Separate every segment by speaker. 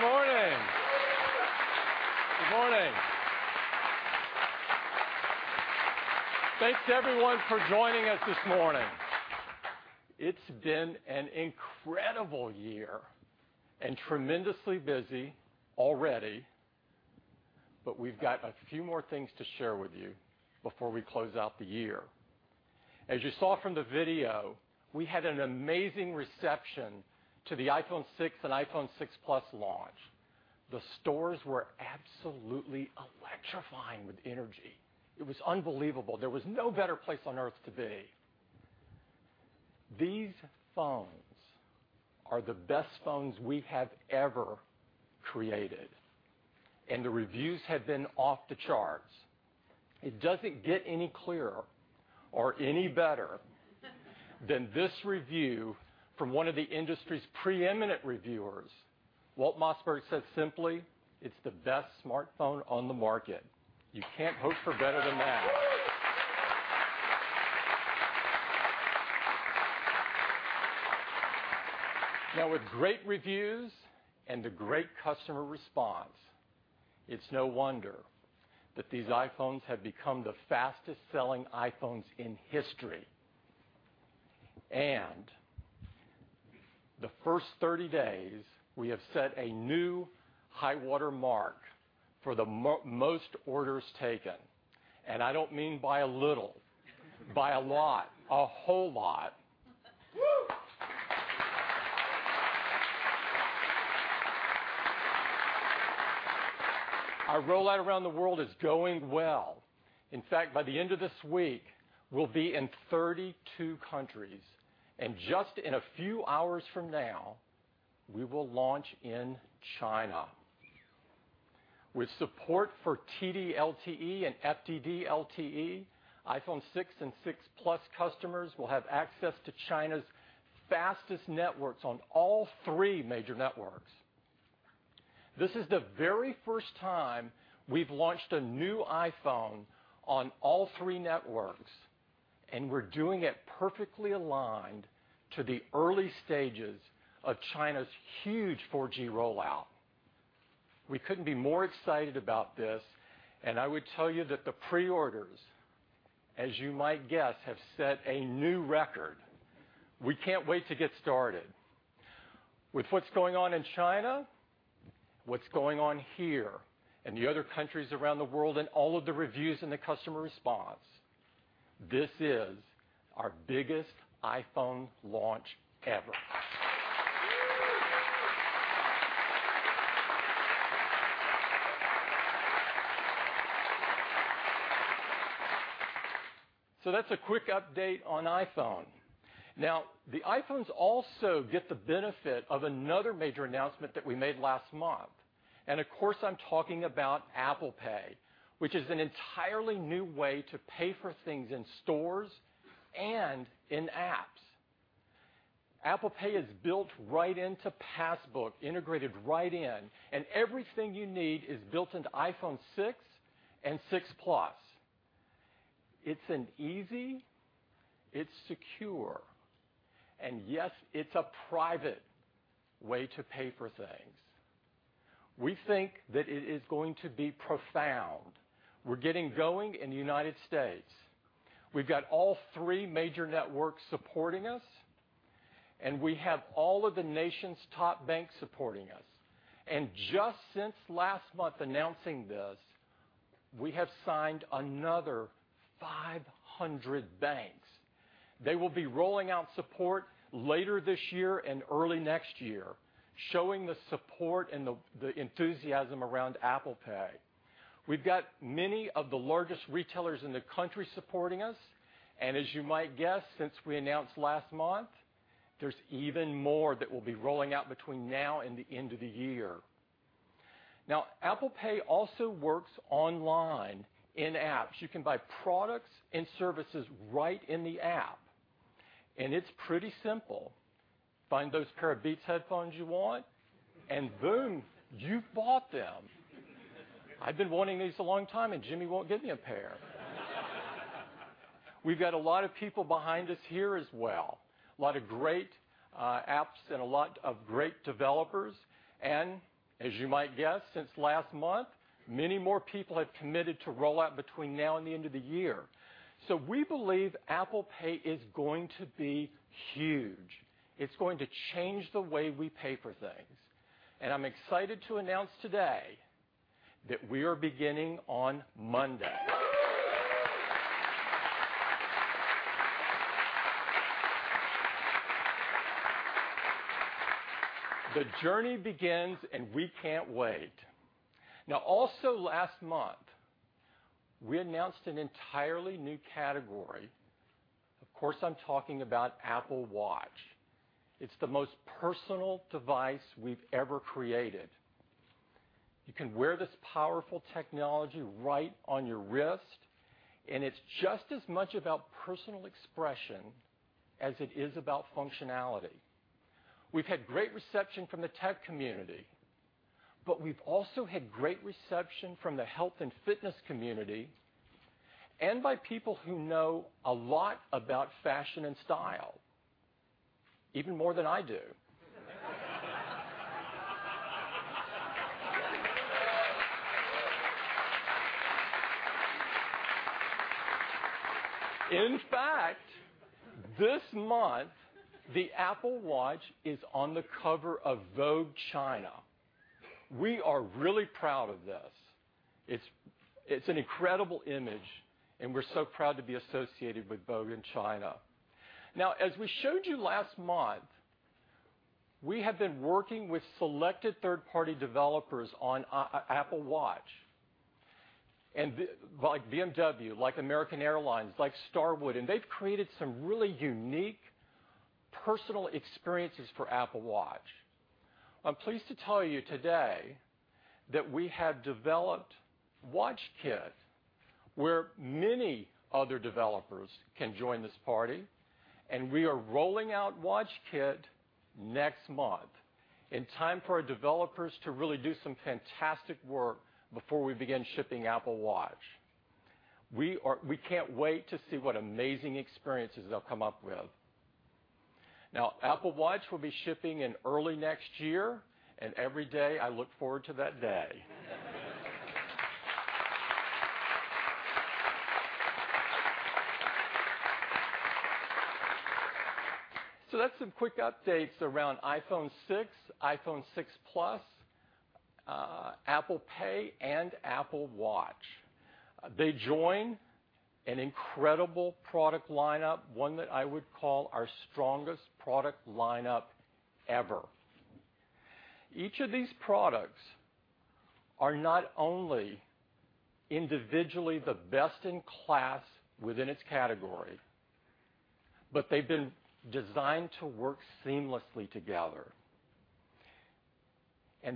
Speaker 1: Good morning. Good morning. Thanks, everyone, for joining us this morning. It's been an incredible year and tremendously busy already. We've got a few more things to share with you before we close out the year. As you saw from the video, we had an amazing reception to the iPhone 6 and iPhone 6 Plus launch. The stores were absolutely electrifying with energy. It was unbelievable. There was no better place on Earth to be. These phones are the best phones we have ever created, and the reviews have been off the charts. It doesn't get any clearer or any better than this review from one of the industry's preeminent reviewers. Walt Mossberg said simply, "It's the best smartphone on the market." You can't hope for better than that. With great reviews and a great customer response, it's no wonder that these iPhones have become the fastest-selling iPhones in history. The first 30 days, we have set a new high water mark for the most orders taken, and I don't mean by a little, by a lot, a whole lot. Our rollout around the world is going well. In fact, by the end of this week, we'll be in 32 countries, and just in a few hours from now, we will launch in China. With support for TD-LTE and FDD-LTE, iPhone 6 and 6 Plus customers will have access to China's fastest networks on all three major networks. This is the very first time we've launched a new iPhone on all three networks, and we're doing it perfectly aligned to the early stages of China's huge 4G rollout. We couldn't be more excited about this. I would tell you that the pre-orders, as you might guess, have set a new record. We can't wait to get started. With what's going on in China, what's going on here, and the other countries around the world, and all of the reviews and the customer response, this is our biggest iPhone launch ever. That's a quick update on iPhone. The iPhones also get the benefit of another major announcement that we made last month. Of course, I'm talking about Apple Pay, which is an entirely new way to pay for things in stores and in apps. Apple Pay is built right into Passbook, integrated right in, and everything you need is built into iPhone 6 and 6 Plus. It's an easy, it's secure, and yes, it's a private way to pay for things. We think that it is going to be profound. We're getting going in the U.S. We've got all three major networks supporting us, and we have all of the nation's top banks supporting us. Just since last month announcing this, we have signed another 500 banks. They will be rolling out support later this year and early next year, showing the support and the enthusiasm around Apple Pay. We've got many of the largest retailers in the country supporting us, and as you might guess, since we announced last month, there's even more that will be rolling out between now and the end of the year. Apple Pay also works online in apps. You can buy products and services right in the app. It's pretty simple. Find those pair of Beats headphones you want. Boom, you've bought them. I've been wanting these a long time, Jimmy won't get me a pair. We've got a lot of people behind us here as well, a lot of great apps and a lot of great developers. As you might guess, since last month, many more people have committed to roll out between now and the end of the year. We believe Apple Pay is going to be huge. It's going to change the way we pay for things. I'm excited to announce today that we are beginning on Monday. The journey begins, and we can't wait. Also last month, we announced an entirely new category. Of course, I'm talking about Apple Watch. It's the most personal device we've ever created. You can wear this powerful technology right on your wrist, and it's just as much about personal expression as it is about functionality. We've had great reception from the tech community, but we've also had great reception from the health and fitness community by people who know a lot about fashion and style, even more than I do. In fact, this month, the Apple Watch is on the cover of Vogue China. We are really proud of this. It's an incredible image, and we're so proud to be associated with Vogue in China. As we showed you last month, we have been working with selected third-party developers on Apple Watch, like BMW, like American Airlines, like Starwood, and they've created some really unique personal experiences for Apple Watch. I'm pleased to tell you today that we have developed WatchKit, where many other developers can join this party, we are rolling out WatchKit next month, in time for our developers to really do some fantastic work before we begin shipping Apple Watch. We can't wait to see what amazing experiences they'll come up with. Apple Watch will be shipping in early next year, every day I look forward to that day. That's some quick updates around iPhone 6, iPhone 6 Plus, Apple Pay, and Apple Watch. They join an incredible product lineup, one that I would call our strongest product lineup ever. Each of these products are not only individually the best in class within its category, but they've been designed to work seamlessly together.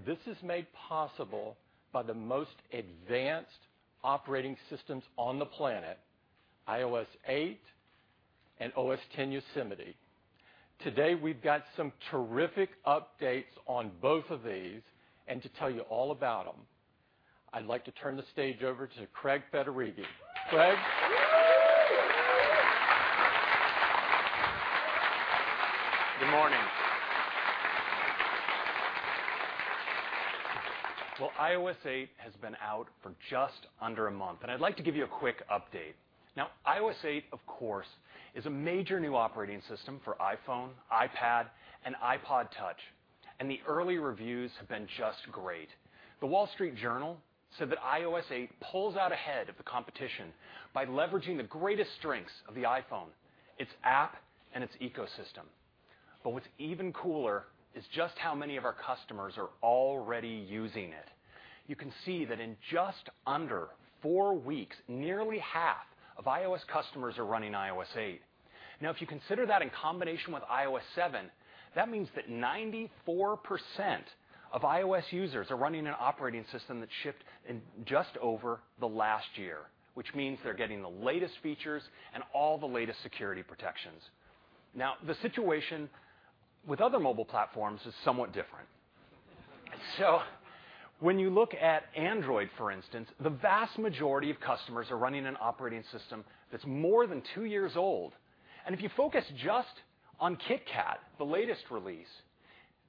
Speaker 1: This is made possible by the most advanced operating systems on the planet, iOS 8 and OS X Yosemite. Today, we've got some terrific updates on both of these, to tell you all about them, I'd like to turn the stage over to Craig Federighi. Craig?
Speaker 2: Good morning. Well, iOS 8 has been out for just under a month, and I'd like to give you a quick update. iOS 8, of course, is a major new operating system for iPhone, iPad, and iPod touch, and the early reviews have been just great. The Wall Street Journal said that iOS 8 pulls out ahead of the competition by leveraging the greatest strengths of the iPhone, its app, and its ecosystem. What's even cooler is just how many of our customers are already using it. You can see that in just under four weeks, nearly half of iOS customers are running iOS 8. If you consider that in combination with iOS 7, that means that 94% of iOS users are running an operating system that shipped in just over the last year, which means they're getting the latest features and all the latest security protections. The situation with other mobile platforms is somewhat different. When you look at Android, for instance, the vast majority of customers are running an operating system that's more than two years old. If you focus just on KitKat, the latest release,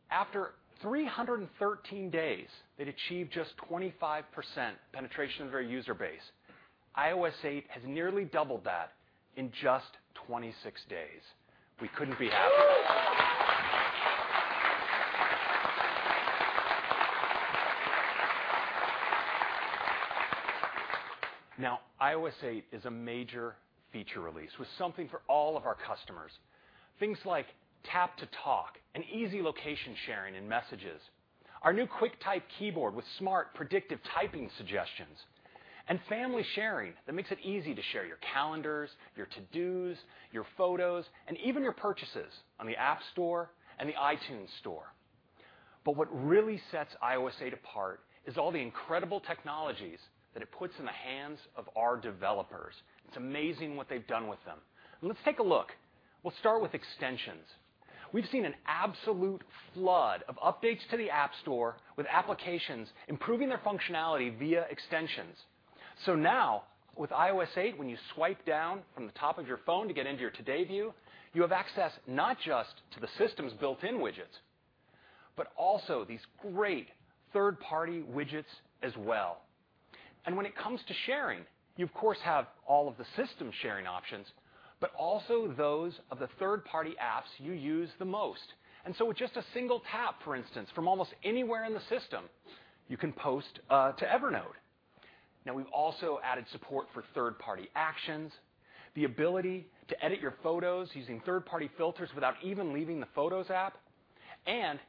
Speaker 2: after 313 days, it achieved just 25% penetration of their user base. iOS 8 has nearly doubled that in just 26 days. We couldn't be happier. iOS 8 is a major feature release with something for all of our customers. Things like tap to talk and easy location sharing in messages. Our new QuickType keyboard with smart predictive typing suggestions. Family sharing, that makes it easy to share your calendars, your to-dos, your photos, and even your purchases on the App Store and the iTunes Store. What really sets iOS 8 apart is all the incredible technologies that it puts in the hands of our developers. It's amazing what they've done with them. Let's take a look. We'll start with extensions. We've seen an absolute flood of updates to the App Store with applications improving their functionality via extensions. Now with iOS 8, when you swipe down from the top of your phone to get into your today view, you have access not just to the system's built-in widgets, but also these great third-party widgets as well. When it comes to sharing, you of course have all of the system sharing options, but also those of the third-party apps you use the most. With just a single tap, for instance, from almost anywhere in the system, you can post to Evernote. We've also added support for third-party actions, the ability to edit your photos using third-party filters without even leaving the Photos app, and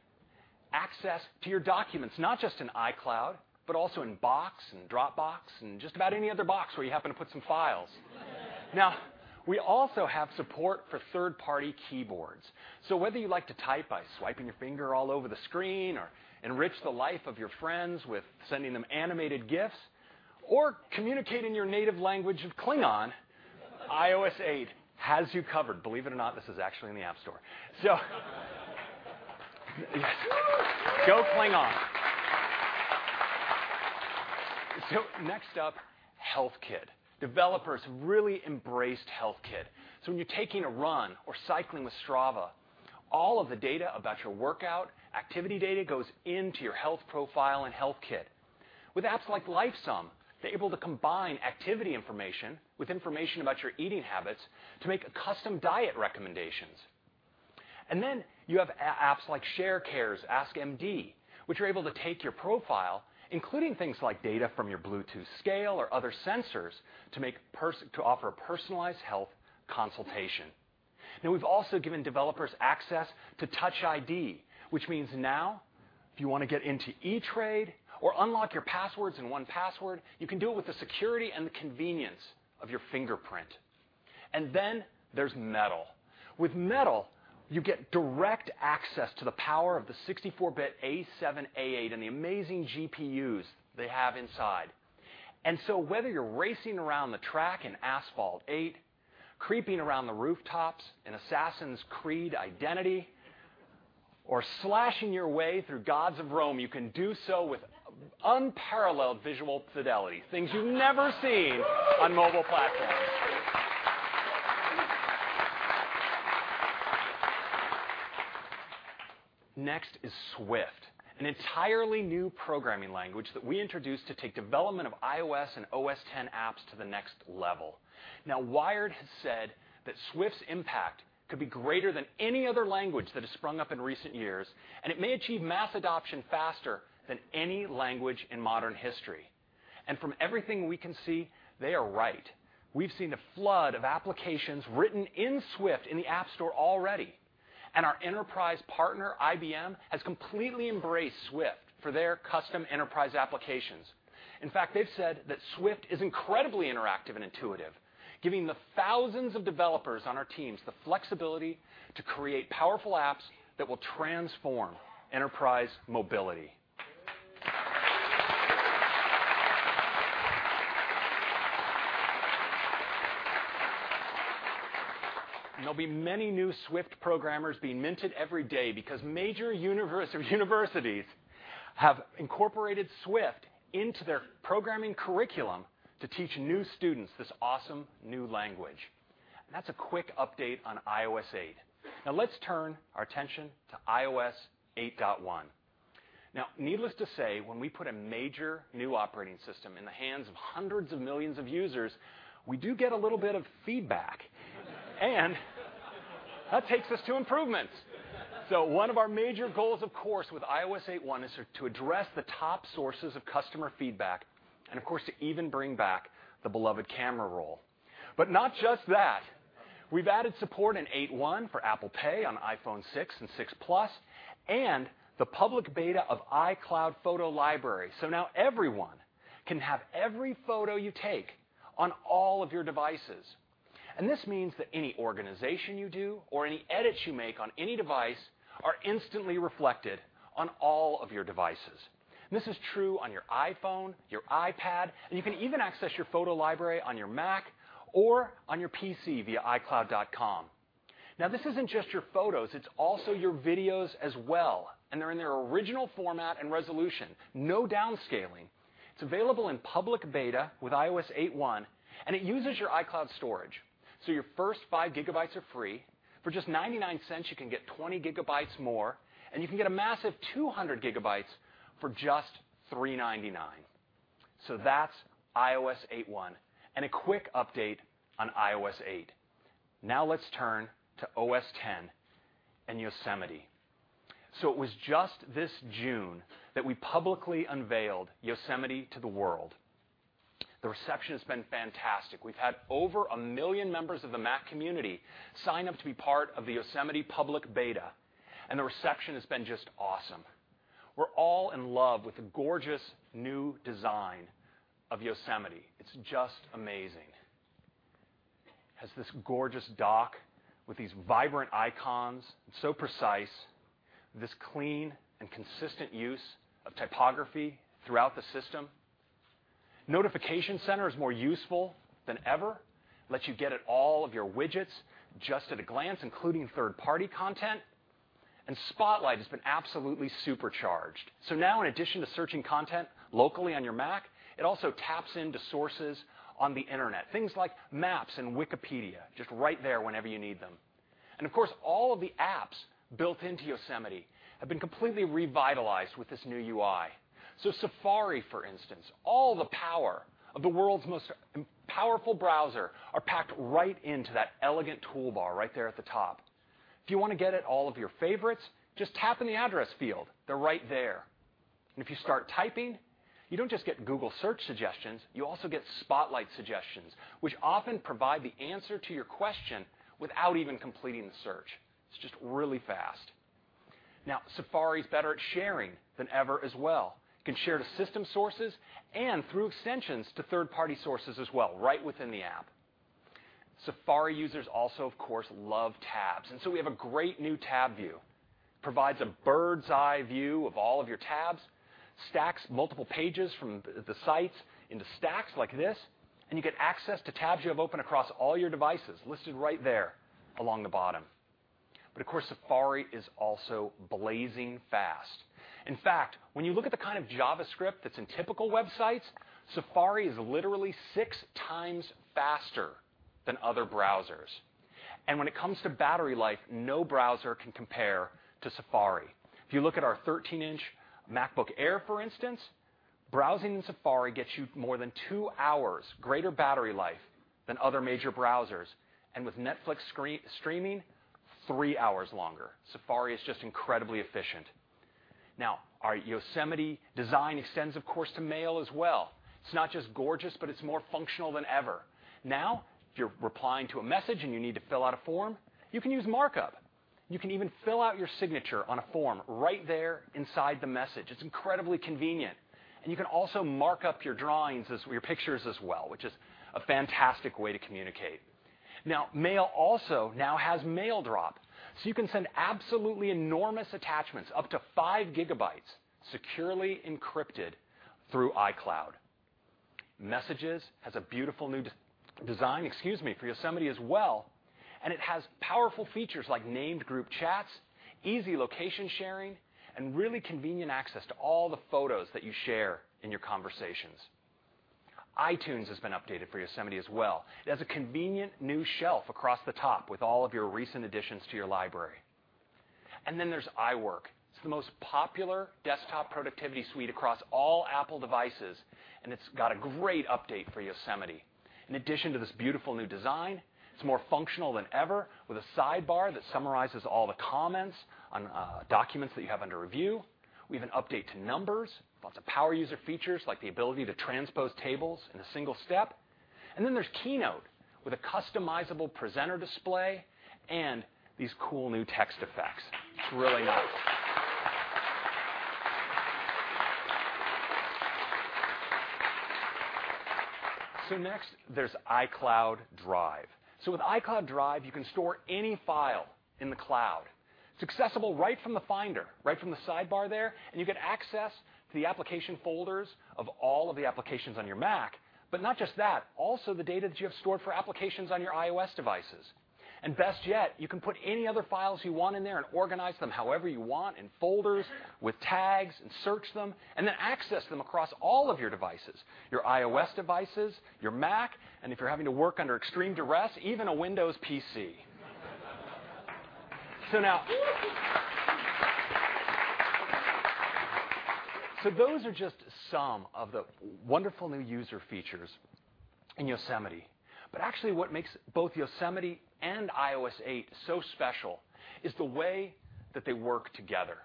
Speaker 2: access to your documents, not just in iCloud, but also in Box and Dropbox, and just about any other box where you happen to put some files. We also have support for third-party keyboards. Whether you like to type by swiping your finger all over the screen or enrich the life of your friends with sending them animated GIFs, or communicate in your native language of Klingon, iOS 8 has you covered. Believe it or not, this is actually in the App Store. Yes. Go Klingon. Next up, HealthKit. Developers have really embraced HealthKit. When you're taking a run or cycling with Strava, all of the data about your workout, activity data goes into your health profile in HealthKit. With apps like Lifesum, they're able to combine activity information with information about your eating habits to make custom diet recommendations. You have apps like Sharecare's AskMD, which are able to take your profile, including things like data from your Bluetooth scale or other sensors to offer a personalized health consultation. We've also given developers access to Touch ID, which means if you want to get into E*TRADE or unlock your passwords in 1Password, you can do it with the security and the convenience of your fingerprint. There's Metal. With Metal, you get direct access to the power of the 64-bit A7, A8, and the amazing GPUs they have inside. Whether you're racing around the track in Asphalt 8, creeping around the rooftops in Assassin's Creed Identity, or slashing your way through Gods of Rome, you can do so with unparalleled visual fidelity. Things you've never seen on mobile platforms. Next is Swift, an entirely new programming language that we introduced to take development of iOS and OS X apps to the next level. Wired has said that Swift's impact could be greater than any other language that has sprung up in recent years, and it may achieve mass adoption faster than any language in modern history. From everything we can see, they are right. We've seen a flood of applications written in Swift in the App Store already. Our enterprise partner, IBM, has completely embraced Swift for their custom enterprise applications. In fact, they've said that Swift is incredibly interactive and intuitive, giving the thousands of developers on our teams the flexibility to create powerful apps that will transform enterprise mobility. There'll be many new Swift programmers being minted every day because major universities have incorporated Swift into their programming curriculum to teach new students this awesome new language. That's a quick update on iOS 8. Let's turn our attention to iOS 8.1. Needless to say, when we put a major new operating system in the hands of hundreds of millions of users, we do get a little bit of feedback. That takes us to improvements. One of our major goals, of course, with iOS 8.1 is to address the top sources of customer feedback and, of course, to even bring back the beloved camera roll. Not just that. We've added support in 8.1 for Apple Pay on iPhone 6 and 6 Plus and the public beta of iCloud Photo Library. Everyone can have every photo you take on all of your devices. This means that any organization you do or any edits you make on any device are instantly reflected on all of your devices. This is true on your iPhone, your iPad, and you can even access your photo library on your Mac or on your PC via iCloud.com. This isn't just your photos, it's also your videos as well, and they're in their original format and resolution. No downscaling. It's available in public beta with iOS 8.1, and it uses your iCloud storage. Your first five gigabytes are free. For just $0.99, you can get 20 gigabytes more, and you can get a massive 200 gigabytes for just $3.99. That's iOS 8.1 and a quick update on iOS 8. Let's turn to OS X and Yosemite. It was just this June that we publicly unveiled Yosemite to the world. The reception has been fantastic. We've had over 1 million members of the Mac community sign up to be part of the Yosemite public beta, and the reception has been just awesome. We're all in love with the gorgeous new design of Yosemite. It's just amazing. It has this gorgeous dock with these vibrant icons. It's so precise. This clean and consistent use of typography throughout the system. Notification Center is more useful than ever. Lets you get at all of your widgets just at a glance, including third-party content. Spotlight has been absolutely supercharged. Now, in addition to searching content locally on your Mac, it also taps into sources on the internet. Things like maps and Wikipedia just right there whenever you need them. Of course, all of the apps built into Yosemite have been completely revitalized with this new UI. Safari, for instance, all the power of the world's most powerful browser are packed right into that elegant toolbar right there at the top. If you want to get at all of your favorites, just tap in the address field. They're right there. If you start typing, you don't just get Google search suggestions, you also get Spotlight suggestions, which often provide the answer to your question without even completing the search. It's just really fast. Safari's better at sharing than ever as well. You can share to system sources and through extensions to third-party sources as well right within the app. Safari users also, of course, love tabs, and so we have a great new tab view. It provides a bird's eye view of all of your tabs, stacks multiple pages from the sites into stacks like this, and you get access to tabs you have open across all your devices listed right there along the bottom. Of course, Safari is also blazing fast. In fact, when you look at the kind of JavaScript that's in typical websites, Safari is literally six times faster than other browsers. When it comes to battery life, no browser can compare to Safari. If you look at our 13-inch MacBook Air, for instance, browsing in Safari gets you more than two hours greater battery life than other major browsers. And with Netflix streaming, three hours longer. Safari is just incredibly efficient. Our Yosemite design extends, of course, to Mail as well. It's not just gorgeous, but it's more functional than ever. If you're replying to a message and you need to fill out a form, you can use markup. You can even fill out your signature on a form right there inside the message. It's incredibly convenient. You can also mark up your drawings, your pictures as well, which is a fantastic way to communicate. Mail also now has Mail Drop, so you can send absolutely enormous attachments, up to five gigabytes, securely encrypted through iCloud. Messages has a beautiful new design, excuse me, for Yosemite as well, and it has powerful features like named group chats, easy location sharing, and really convenient access to all the photos that you share in your conversations. iTunes has been updated for Yosemite as well. It has a convenient new shelf across the top with all of your recent additions to your library. There's iWork. It's the most popular desktop productivity suite across all Apple devices, and it's got a great update for OS X Yosemite. In addition to this beautiful new design, it's more functional than ever, with a sidebar that summarizes all the comments on documents that you have under review. We have an update to Numbers, lots of power user features, like the ability to transpose tables in a single step. There's Keynote, with a customizable presenter display and these cool new text effects. It's really nice. There's iCloud Drive. With iCloud Drive, you can store any file in the cloud. It's accessible right from the Finder, right from the sidebar there, and you get access to the application folders of all of the applications on your Mac. Not just that, also the data that you have stored for applications on your iOS devices. Best yet, you can put any other files you want in there and organize them however you want, in folders, with tags, and search them, and then access them across all of your devices, your iOS devices, your Mac, and if you're having to work under extreme duress, even a Windows PC. Those are just some of the wonderful new user features in OS X Yosemite. Actually, what makes both OS X Yosemite and iOS 8 so special is the way that they work together.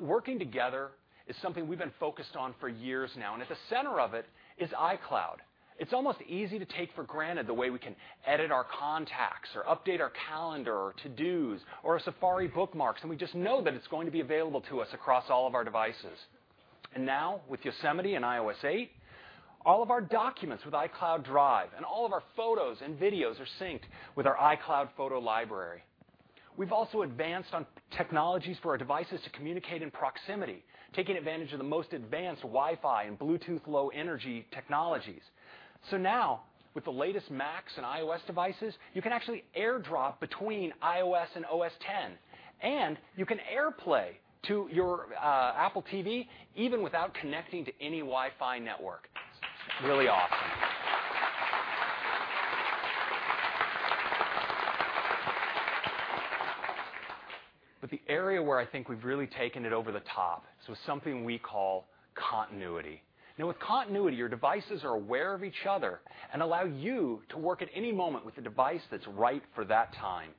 Speaker 2: Working together is something we've been focused on for years now, and at the center of it is iCloud. It's almost easy to take for granted the way we can edit our contacts or update our calendar or to-dos or our Safari bookmarks, and we just know that it's going to be available to us across all of our devices. Now, with OS X Yosemite and iOS 8, all of our documents with iCloud Drive and all of our photos and videos are synced with our iCloud Photo Library. We've also advanced on technologies for our devices to communicate in proximity, taking advantage of the most advanced Wi-Fi and Bluetooth Low Energy technologies. Now, with the latest Macs and iOS devices, you can actually AirDrop between iOS and OS X, and you can AirPlay to your Apple TV even without connecting to any Wi-Fi network. It's really awesome. The area where I think we've really taken it over the top is with something we call Continuity. With Continuity, your devices are aware of each other and allow you to work at any moment with the device that's right for that time.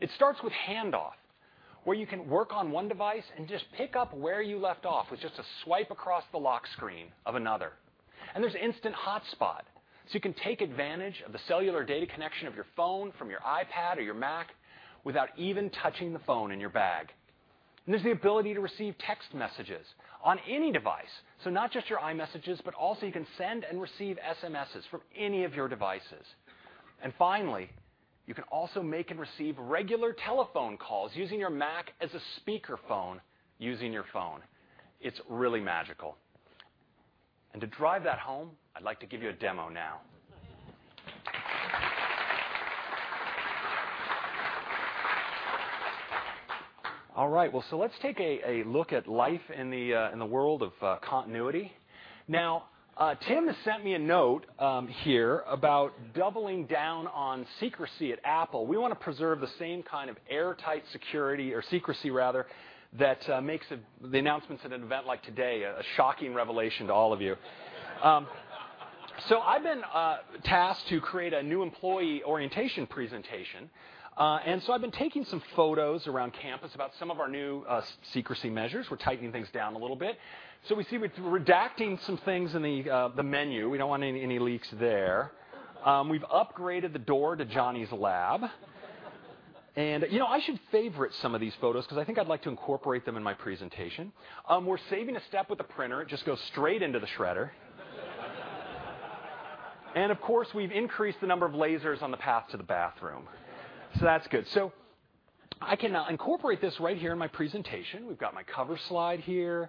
Speaker 2: It starts with Handoff, where you can work on one device and just pick up where you left off with just a swipe across the lock screen of another. There's Instant Hotspot, so you can take advantage of the cellular data connection of your phone from your iPad or your Mac without even touching the phone in your bag. There's the ability to receive text messages on any device. Not just your iMessages, but also you can send and receive SMSs from any of your devices. Finally, you can also make and receive regular telephone calls using your Mac as a speakerphone using your phone. It's really magical. To drive that home, I'd like to give you a demo now. Let's take a look at life in the world of Continuity. Tim has sent me a note here about doubling down on secrecy at Apple. We want to preserve the same kind of airtight security, or secrecy rather, that makes the announcements at an event like today a shocking revelation to all of you. I've been tasked to create a new employee orientation presentation. I've been taking some photos around campus about some of our new secrecy measures. We're tightening things down a little bit. We see we're redacting some things in the menu. We don't want any leaks there. We've upgraded the door to Jony's lab. I should favorite some of these photos because I think I'd like to incorporate them in my presentation. We're saving a step with the printer. It just goes straight into the shredder. Of course, we've increased the number of lasers on the path to the bathroom. That's good. I can now incorporate this right here in my presentation. We've got my cover slide here,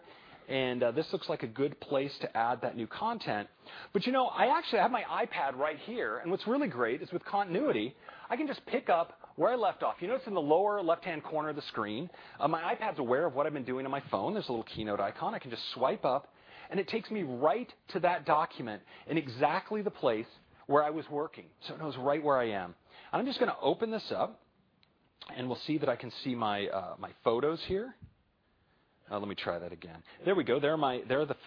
Speaker 2: and this looks like a good place to add that new content. I actually have my iPad right here, and what's really great is with Continuity, I can just pick up where I left off. You notice in the lower left-hand corner of the screen, my iPad's aware of what I've been doing on my phone. There's a little Keynote icon. I can just swipe up, and it takes me right to that document in exactly the place where I was working. It knows right where I am. I'm just going to open this up, and we'll see that I can see my photos here. Let me try that again. There we go. There are the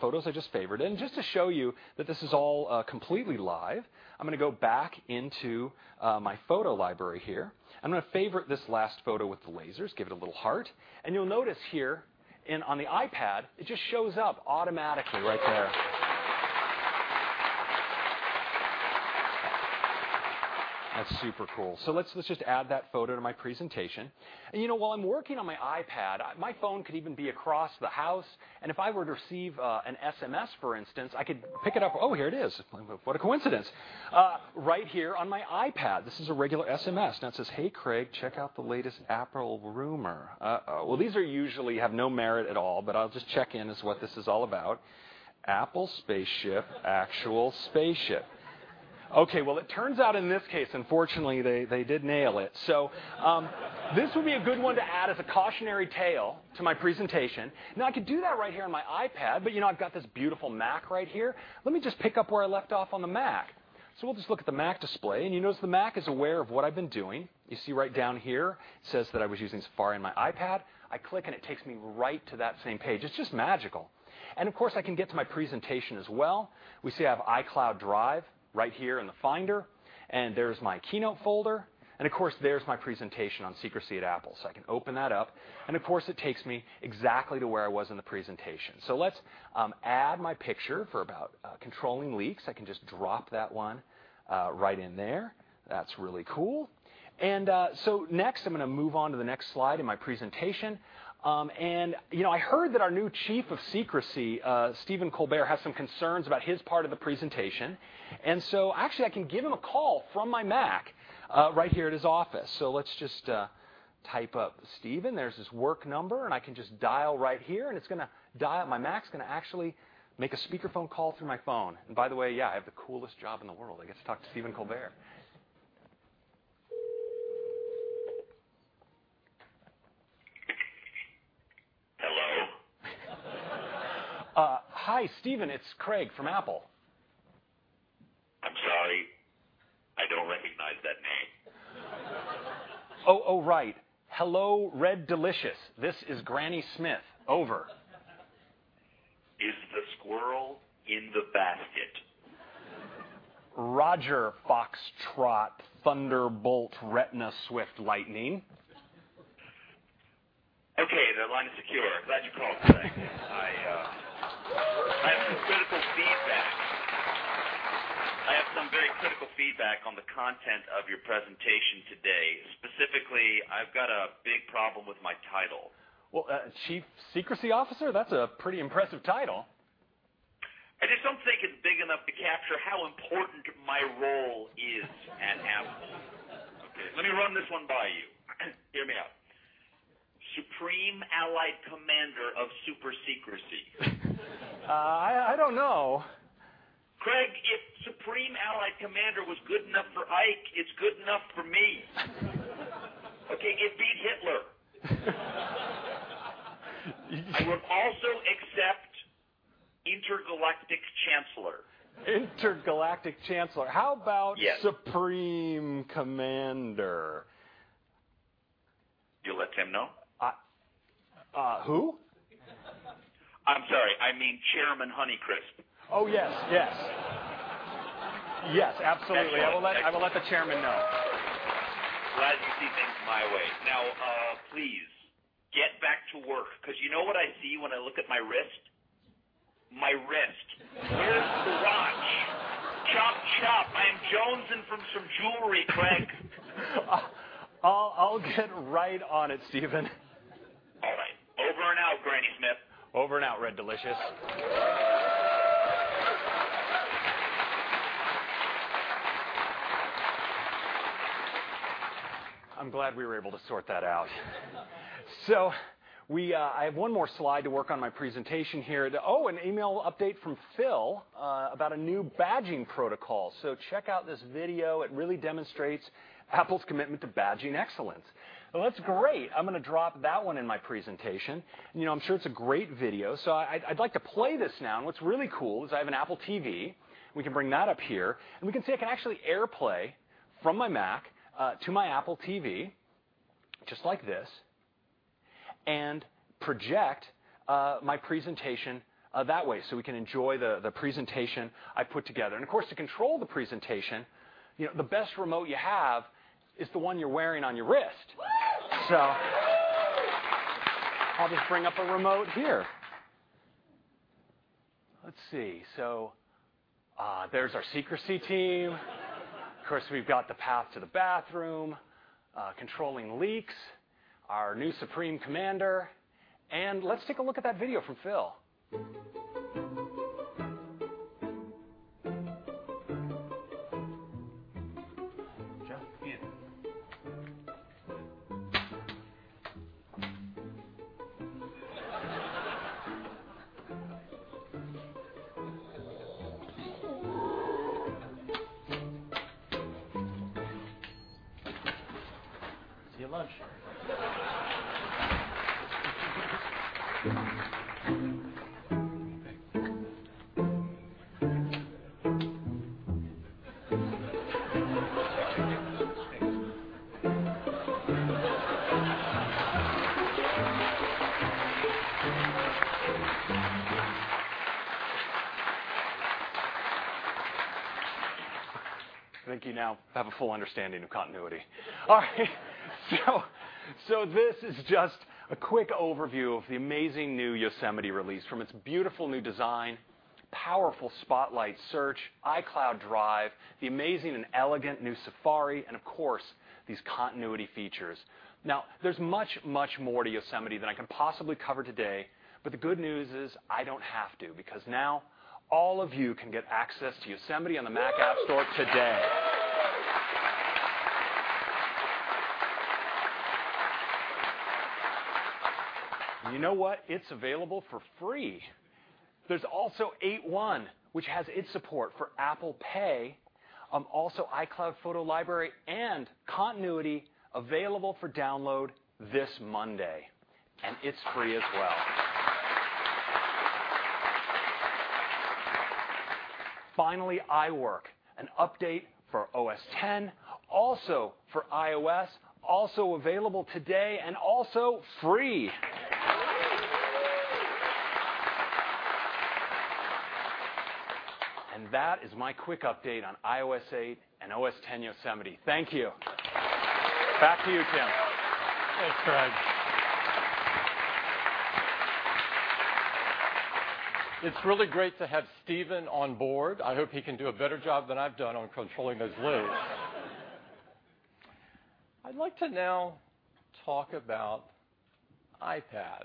Speaker 2: photos I just favored. Just to show you that this is all completely live, I'm going to go back into my photo library here. I'm going to favorite this last photo with the lasers, give it a little heart. You'll notice here on the iPad, it just shows up automatically right there. That's super cool. Let's just add that photo to my presentation. While I'm working on my iPad, my phone could even be across the house, and if I were to receive an SMS, for instance, I could pick it up. Oh, here it is. What a coincidence. Right here on my iPad. This is a regular SMS. It says, "Hey, Craig, check out the latest Apple rumor." Uh-oh. These usually have no merit at all, but I'll just check in as to what this is all about. Apple spaceship. Actual spaceship. It turns out in this case, unfortunately, they did nail it. This would be a good one to add as a cautionary tale to my presentation. I could do that right here on my iPad, but I've got this beautiful Mac right here. Let me just pick up where I left off on the Mac. We'll just look at the Mac display, and you notice the Mac is aware of what I've been doing. You see right down here, it says that I was using Safari on my iPad. I click, and it takes me right to that same page. It's just magical. Of course, I can get to my presentation as well. We see I have iCloud Drive right here in the Finder, and there's my Keynote folder. Of course, there's my presentation on secrecy at Apple. I can open that up, and of course, it takes me exactly to where I was in the presentation. Let's add my picture for about controlling leaks. I can just drop that one right in there. That's really cool. Next, I'm going to move on to the next slide in my presentation. I heard that our new chief of secrecy, Stephen Colbert, has some concerns about his part of the presentation. Actually, I can give him a call from my Mac right here at his office. Let's just type up Stephen. There's his work number, and I can just dial right here, and it's going to dial. My Mac's going to actually make a speakerphone call through my phone. By the way, yeah, I have the coolest job in the world. I get to talk to Stephen Colbert. Hello? Hi, Stephen. It's Craig from Apple. I'm sorry, I don't recognize that name. Oh, right. Hello, Red Delicious. This is Granny Smith. Over. Is the squirrel in the basket? Roger Foxtrot Thunderbolt Retina Swift Lightning. Okay, the line is secure. Glad you called, Craig. I have some critical feedback. I have some very critical feedback on the content of your presentation today. Specifically, I've got a big problem with my title. Well, Chief Secrecy Officer? That's a pretty impressive title. I just don't think it's big enough to capture how important my role is at Apple. Okay, let me run this one by you. Hear me out. Supreme Allied Commander of Super Secrecy. I don't know. Craig, if Supreme Allied Commander was good enough for Ike, it's good enough for me. Okay? It beat Hitler. I would also accept Intergalactic Chancellor. Intergalactic Chancellor. Yes Supreme Commander? You let Tim know? Who? I'm sorry, I mean Chairman Honeycrisp. Oh, yes. Yes. Yes, absolutely. Okay, good. Excellent. I will let the chairman know. Glad you see things my way. Please get back to work, because you know what I see when I look at my wrist? My wrist. Where's the watch? Chop, chop. I am jonesing from some jewelry, Craig. I'll get right on it, Stephen. All right. Over and out, Granny Smith. Over and out, Red Delicious.
Speaker 1: Whoo.
Speaker 2: I'm glad we were able to sort that out. I have one more slide to work on my presentation here. Oh, an email update from Phil about a new badging protocol. Check out this video. It really demonstrates Apple's commitment to badging excellence. Well, that's great. I'm going to drop that one in my presentation. I'm sure it's a great video. I'd like to play this now. What's really cool is I have an Apple TV. We can bring that up here, and we can see I can actually AirPlay from my Mac to my Apple TV just like this, and project my presentation that way so we can enjoy the presentation I put together. Of course, to control the presentation, the best remote you have is the one you're wearing on your wrist.
Speaker 1: Whoo.
Speaker 2: I'll just bring up a remote here. Let's see. There's our secrecy team. Of course, we've got the path to the bathroom, controlling leaks, our new supreme commander, and let's take a look at that video from Phil. Just in. See you at lunch. Thanks. I think you now have a full understanding of Continuity. This is just a quick overview of the amazing new Yosemite release, from its beautiful new design to powerful Spotlight search, iCloud Drive, the amazing and elegant new Safari, and of course, these Continuity features. There's much, much more to Yosemite than I can possibly cover today. The good news is, I don't have to because now all of you can get access to Yosemite on the Mac App Store today. You know what? It's available for free. There's also 8.1, which has its support for Apple Pay, also iCloud Photo Library and Continuity available for download this Monday, and it's free as well. Finally, iWork, an update for OS X, also for iOS, also available today and also free. That is my quick update on iOS 8 and OS X Yosemite. Thank you. Back to you, Tim.
Speaker 1: Thanks, Craig. It's really great to have Stephen on board. I hope he can do a better job than I've done on controlling those leaks. I'd like to now talk about iPad.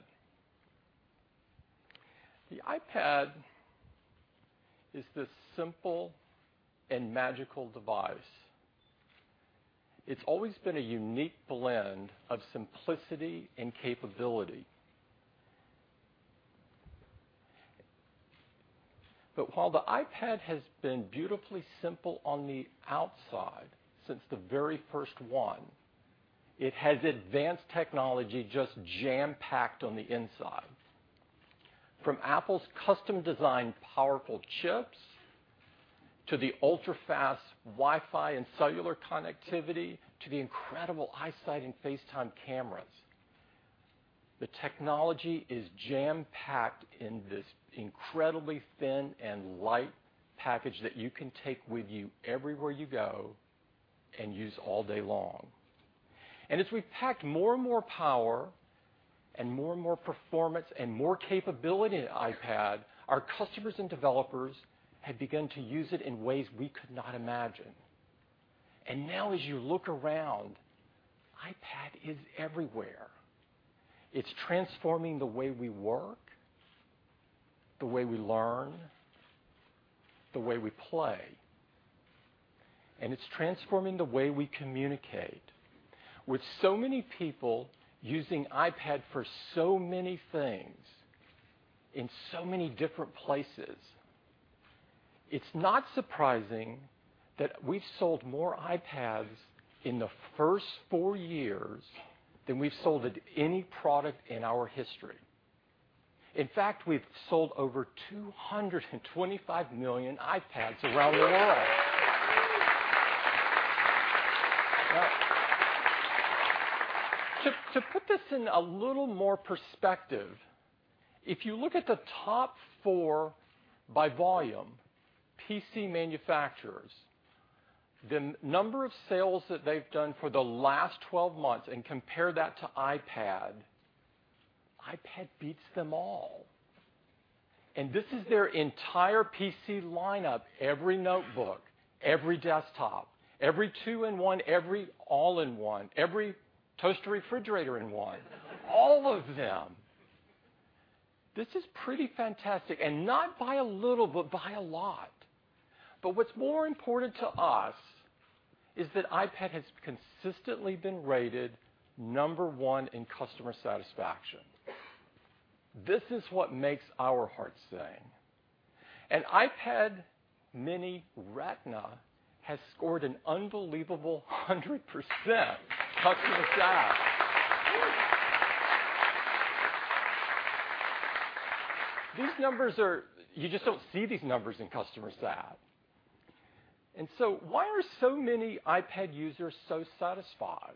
Speaker 1: The iPad is this simple and magical device. It's always been a unique blend of simplicity and capability. While the iPad has been beautifully simple on the outside since the very first one, it has advanced technology just jam-packed on the inside. From Apple's custom design powerful chips, to the ultra-fast Wi-Fi and cellular connectivity, to the incredible iSight and FaceTime cameras, the technology is jam-packed in this incredibly thin and light package that you can take with you everywhere you go and use all day long. As we've packed more and more power and more and more performance and more capability in the iPad, our customers and developers have begun to use it in ways we could not imagine. Now as you look around, iPad is everywhere. It's transforming the way we work, the way we learn, the way we play, and it's transforming the way we communicate. With so many people using iPad for so many things in so many different places, it's not surprising that we've sold more iPads in the first four years than we've sold any product in our history. In fact, we've sold over 225 million iPads around the world. To put this in a little more perspective, if you look at the top four by volume PC manufacturers, the number of sales that they've done for the last 12 months and compare that to iPad beats them all. This is their entire PC lineup, every notebook, every desktop, every two-in-one, every all-in-one, every toaster refrigerator in one. All of them. This is pretty fantastic, and not by a little, but by a lot. What's more important to us is that iPad has consistently been rated number one in customer satisfaction. This is what makes our hearts sing. An iPad mini Retina has scored an unbelievable 100% customer sat. You just don't see these numbers in customer sat. Why are so many iPad users so satisfied?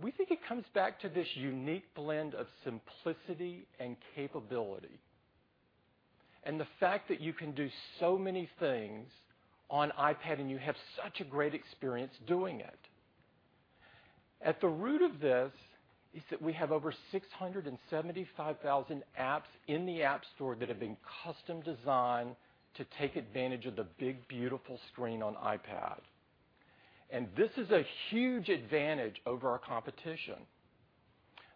Speaker 1: We think it comes back to this unique blend of simplicity and capability, and the fact that you can do so many things on iPad, and you have such a great experience doing it. At the root of this is that we have over 675,000 apps in the App Store that have been custom designed to take advantage of the big, beautiful screen on iPad. This is a huge advantage over our competition.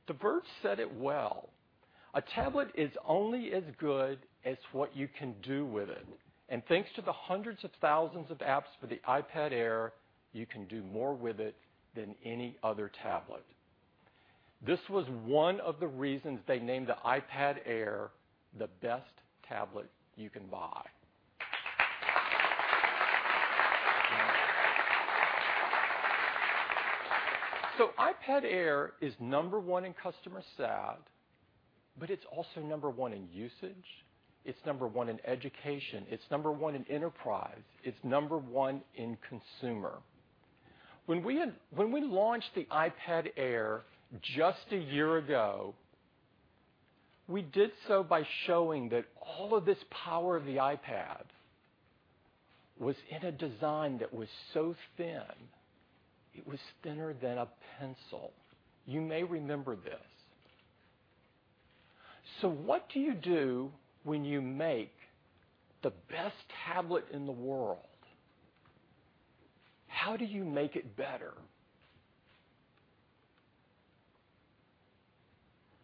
Speaker 1: "The Verge" said it well. "A tablet is only as good as what you can do with it. Thanks to the hundreds of thousands of apps for the iPad Air, you can do more with it than any other tablet." This was one of the reasons they named the iPad Air the best tablet you can buy. iPad Air is number one in customer sat, but it's also number one in usage. It's number one in education. It's number one in enterprise. It's number one in consumer. When we launched the iPad Air just a year ago, we did so by showing that all of this power of the iPad was in a design that was so thin, it was thinner than a pencil. You may remember this. What do you do when you make the best tablet in the world? How do you make it better?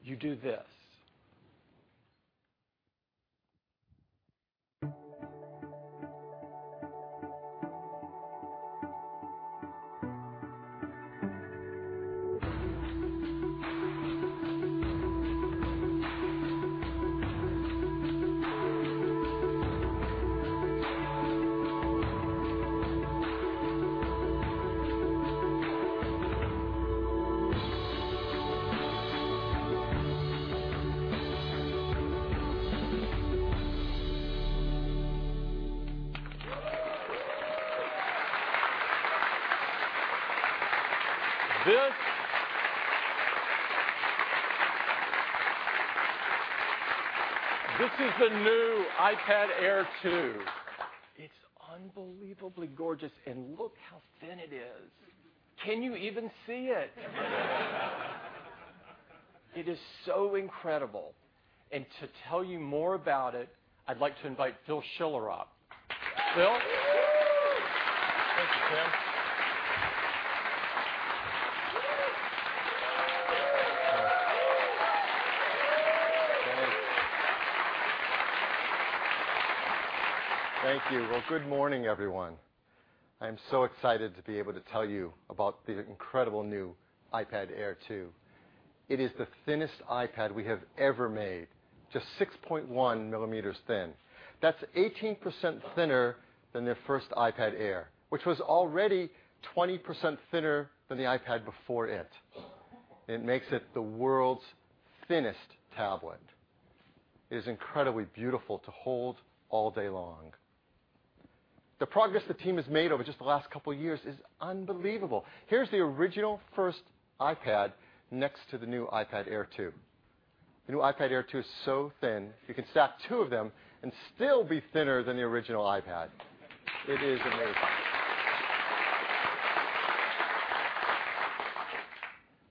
Speaker 1: You do this. This is the new iPad Air 2. It's unbelievably gorgeous. Look how thin it is. Can you even see it? It is so incredible. To tell you more about it, I'd like to invite Phil Schiller up. Phil?
Speaker 3: Thank you, Tim. Thank you. Good morning, everyone. I am so excited to be able to tell you about the incredible new iPad Air 2. It is the thinnest iPad we have ever made, just 6.1 millimeters thin. That's 18% thinner than the first iPad Air, which was already 20% thinner than the iPad before it. It makes it the world's thinnest tablet. It is incredibly beautiful to hold all day long. The progress the team has made over just the last couple of years is unbelievable. Here's the original first iPad next to the new iPad Air 2. The new iPad Air 2 is so thin you can stack two of them and still be thinner than the original iPad. It is amazing.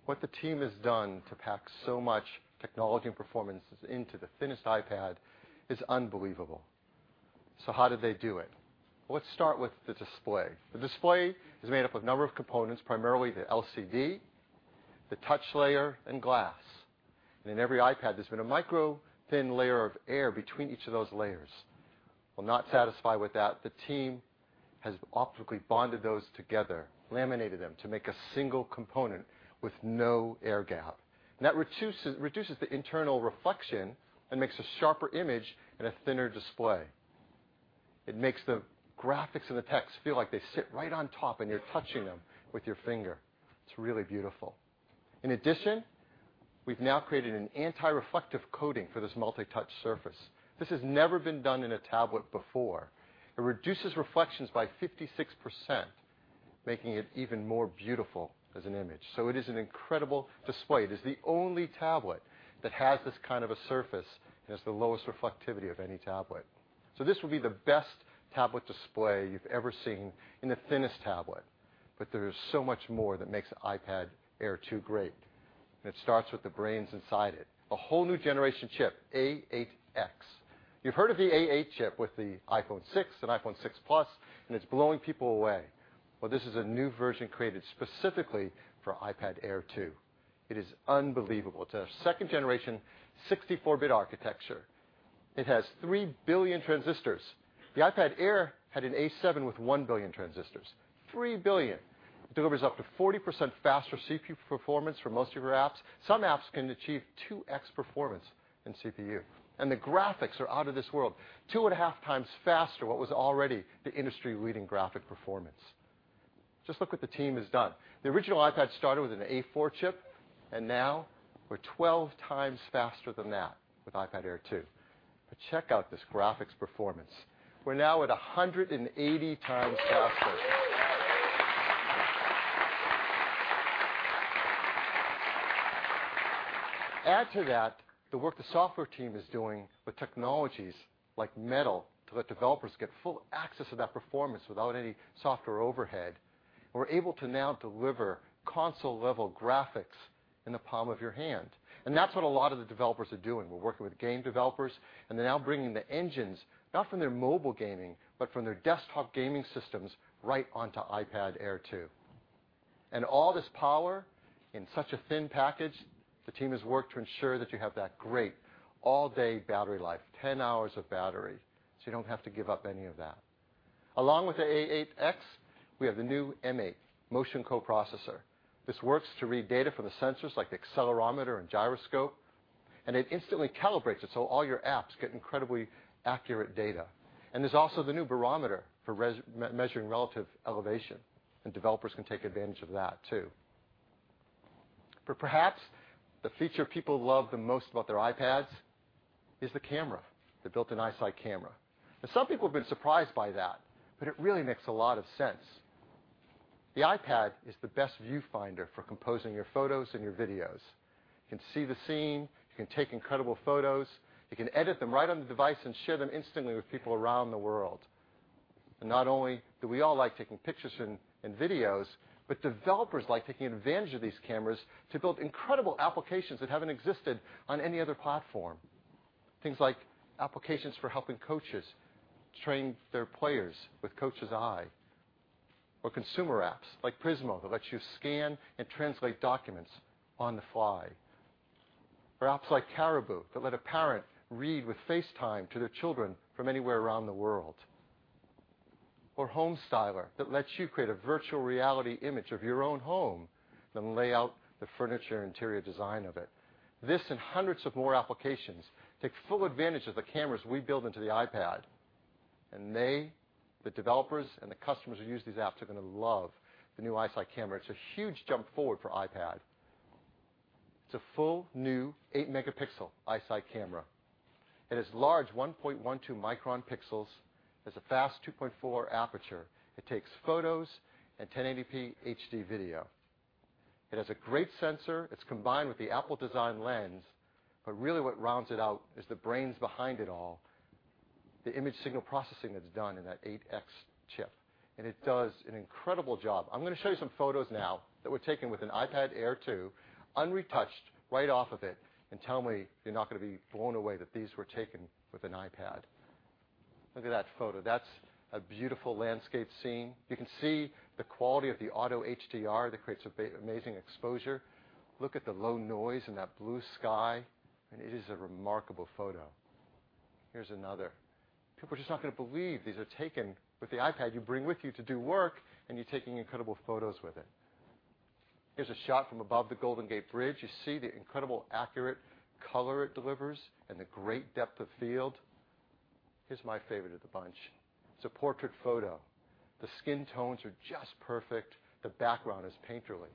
Speaker 3: What the team has done to pack so much technology and performance into the thinnest iPad is unbelievable. How did they do it? Let's start with the display. The display is made up of a number of components, primarily the LCD, the touch layer, and glass. In every iPad, there's been a micro thin layer of air between each of those layers. Not satisfied with that, the team has optically bonded those together, laminated them to make a single component with no air gap. That reduces the internal reflection and makes a sharper image and a thinner display. It makes the graphics and the text feel like they sit right on top. You're touching them with your finger. It's really beautiful. In addition, we've now created an anti-reflective coating for this multi-touch surface. This has never been done in a tablet before. It reduces reflections by 56%, making it even more beautiful as an image. It is an incredible display. It is the only tablet that has this kind of a surface. It's the lowest reflectivity of any tablet. This will be the best tablet display you've ever seen in the thinnest tablet. There is so much more that makes the iPad Air 2 great. It starts with the brains inside it. A whole new generation chip, A8X. You've heard of the A8 chip with the iPhone 6 and iPhone 6 Plus. It's blowing people away. This is a new version created specifically for iPad Air 2. It is unbelievable. It's a second-generation 64-bit architecture. It has three billion transistors. The iPad Air had an A7 with one billion transistors. Three billion. It delivers up to 40% faster CPU performance for most of your apps. Some apps can achieve 2X performance in CPU. The graphics are out of this world. Two and a half times faster what was already the industry-leading graphics performance. Just look what the team has done. The original iPad started with an A4 chip, and now we're 12 times faster than that with iPad Air 2. Check out this graphics performance. We're now at 180 times faster. Add to that the work the software team is doing with technologies like Metal to let developers get full access to that performance without any software overhead. We're able to now deliver console-level graphics in the palm of your hand, and that's what a lot of the developers are doing. We're working with game developers, they're now bringing the engines, not from their mobile gaming, but from their desktop gaming systems, right onto iPad Air 2. All this power in such a thin package, the team has worked to ensure that you have that great all-day battery life, 10 hours of battery. You don't have to give up any of that. Along with the A8X, we have the new M8 motion coprocessor. This works to read data from the sensors like the accelerometer and gyroscope, and it instantly calibrates it so all your apps get incredibly accurate data. There's also the new barometer for measuring relative elevation, and developers can take advantage of that, too. Perhaps the feature people love the most about their iPads is the camera, the built-in iSight camera. Some people have been surprised by that, but it really makes a lot of sense. The iPad is the best viewfinder for composing your photos and your videos. You can see the scene. You can take incredible photos. You can edit them right on the device and share them instantly with people around the world. Not only do we all like taking pictures and videos, but developers like taking advantage of these cameras to build incredible applications that haven't existed on any other platform. Things like applications for helping coaches train their players with Coach's Eye. Consumer apps like Prizmo that lets you scan and translate documents on the fly. Apps like Caribu that let a parent read with FaceTime to their children from anywhere around the world. Homestyler, that lets you create a virtual reality image of your own home, then lay out the furniture and interior design of it. This and hundreds of more applications take full advantage of the cameras we build into the iPad. They, the developers and the customers who use these apps, are going to love the new iSight camera. It's a huge jump forward for iPad. It's a full new eight-megapixel iSight camera. It has large 1.12-micron pixels. It has a fast 2.4 aperture. It takes photos and 1080p HD video. It has a great sensor. It's combined with the Apple-designed lens. Really what rounds it out is the brains behind it all, the image signal processing that's done in that A8X chip, and it does an incredible job. I'm going to show you some photos now that were taken with an iPad Air 2, unretouched, right off of it, and tell me you're not going to be blown away that these were taken with an iPad. Look at that photo. That's a beautiful landscape scene. You can see the quality of the auto HDR that creates amazing exposure. Look at the low noise in that blue sky. It is a remarkable photo. Here's another. People are just not going to believe these are taken with the iPad you bring with you to do work, and you're taking incredible photos with it. Here's a shot from above the Golden Gate Bridge. You see the incredible accurate color it delivers and the great depth of field. Here's my favorite of the bunch. It's a portrait photo. The skin tones are just perfect. The background is painterly.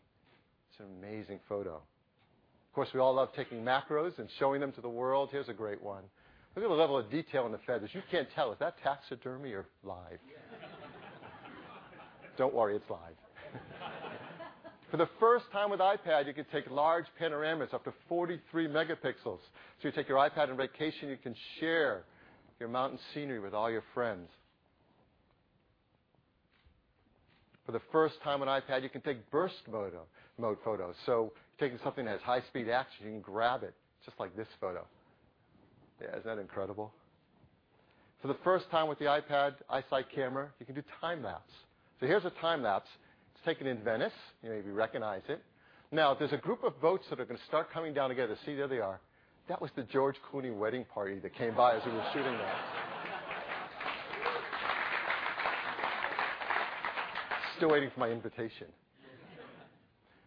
Speaker 3: It's an amazing photo. Of course, we all love taking macros and showing them to the world. Here's a great one. Look at the level of detail in the feathers. You can't tell. Is that taxidermy or live? Don't worry, it's live. For the first time with iPad, you can take large panoramas, up to 43 megapixels. You take your iPad on vacation, you can share your mountain scenery with all your friends. For the first time on iPad, you can take burst mode photos. If you're taking something that has high-speed action, you can grab it, just like this photo. Yeah. Isn't that incredible? For the first time with the iPad iSight camera, you can do time lapse. Here's a time lapse. It's taken in Venice. You maybe recognize it. There's a group of boats that are going to start coming down together. See, there they are. That was the George Clooney wedding party that came by as we were shooting that. Still waiting for my invitation.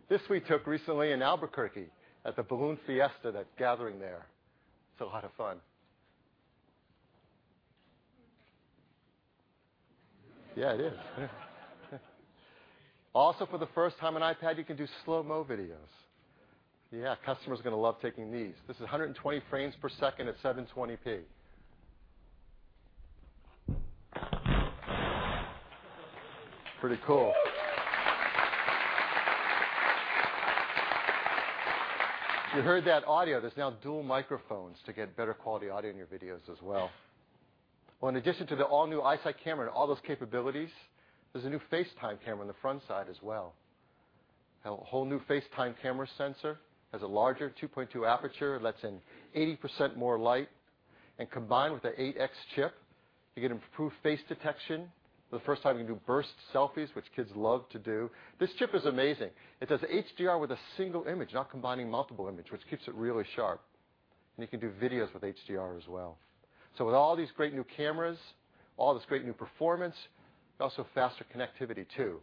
Speaker 3: This we took recently in Albuquerque at the Balloon Fiesta, that gathering there. It's a lot of fun. Yeah, it is. For the first time on iPad, you can do slow-mo videos. Yeah, customers are going to love taking these. This is 120 frames per second at 720p. Pretty cool. You heard that audio. There's now dual microphones to get better quality audio in your videos as well. In addition to the all-new iSight camera and all those capabilities, there's a new FaceTime camera on the front side as well. A whole new FaceTime camera sensor. Has a larger 2.2 aperture. It lets in 80% more light. Combined with the A8X chip, you get improved face detection. For the first time, you can do burst selfies, which kids love to do. This chip is amazing. It does HDR with a single image, not combining multiple images, which keeps it really sharp. You can do videos with HDR as well. With all these great new cameras, all this great new performance, also faster connectivity, too.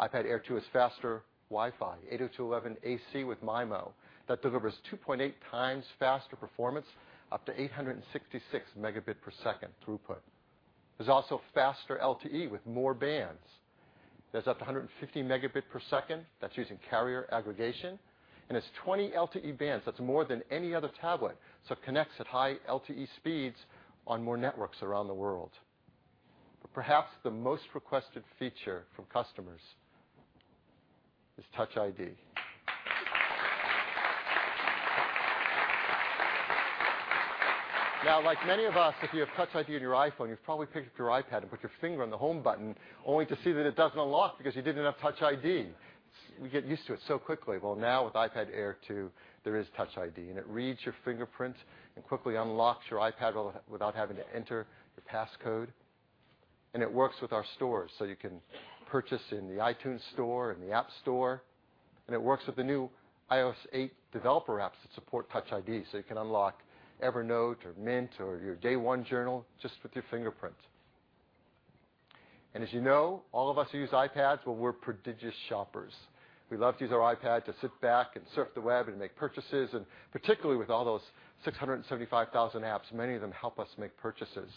Speaker 3: iPad Air 2 has faster Wi-Fi, 802.11ac with MIMO, that delivers 2.8 times faster performance, up to 866 megabit per second throughput. There's also faster LTE with more bands. That's up to 150 megabit per second. That's using carrier aggregation. It's 20 LTE bands. That's more than any other tablet, so it connects at high LTE speeds on more networks around the world. Perhaps the most requested feature from customers is Touch ID. Like many of us, if you have Touch ID on your iPhone, you've probably picked up your iPad and put your finger on the home button only to see that it doesn't unlock because you didn't have Touch ID. We get used to it so quickly. Now with iPad Air 2, there is Touch ID, it reads your fingerprint and quickly unlocks your iPad without having to enter the passcode. It works with our stores, so you can purchase in the iTunes Store and the App Store, and it works with the new iOS 8 developer apps that support Touch ID, so you can unlock Evernote or Mint or your Day One journal just with your fingerprint. As you know, all of us who use iPads, well, we're prodigious shoppers. We love to use our iPad to sit back and surf the web and make purchases, and particularly with all those 675,000 apps, many of them help us make purchases.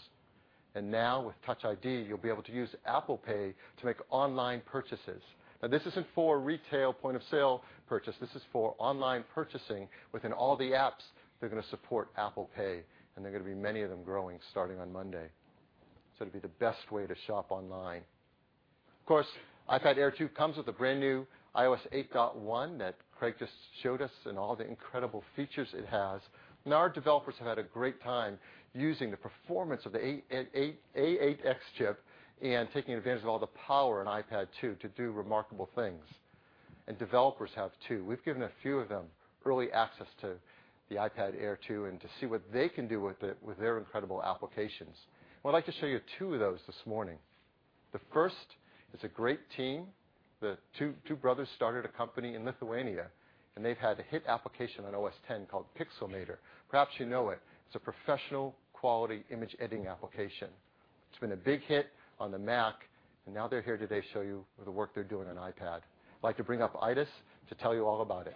Speaker 3: Now with Touch ID, you'll be able to use Apple Pay to make online purchases. This isn't for retail point-of-sale purchase. This is for online purchasing within all the apps that are going to support Apple Pay, and they're going to be many of them growing starting on Monday. It'll be the best way to shop online. Of course, iPad Air 2 comes with the brand-new iOS 8.1 that Craig just showed us and all the incredible features it has. Our developers have had a great time using the performance of the A8X chip and taking advantage of all the power in iPad Air 2 to do remarkable things. Developers have, too. We've given a few of them early access to the iPad Air 2, and to see what they can do with it with their incredible applications. Well, I'd like to show you two of those this morning. The first is a great team. The two brothers started a company in Lithuania, and they've had a hit application on OS X called Pixelmator. Perhaps you know it. It's a professional quality image editing application. It's been a big hit on the Mac, and now they're here today to show you the work they're doing on iPad. I'd like to bring up Aidis to tell you all about it.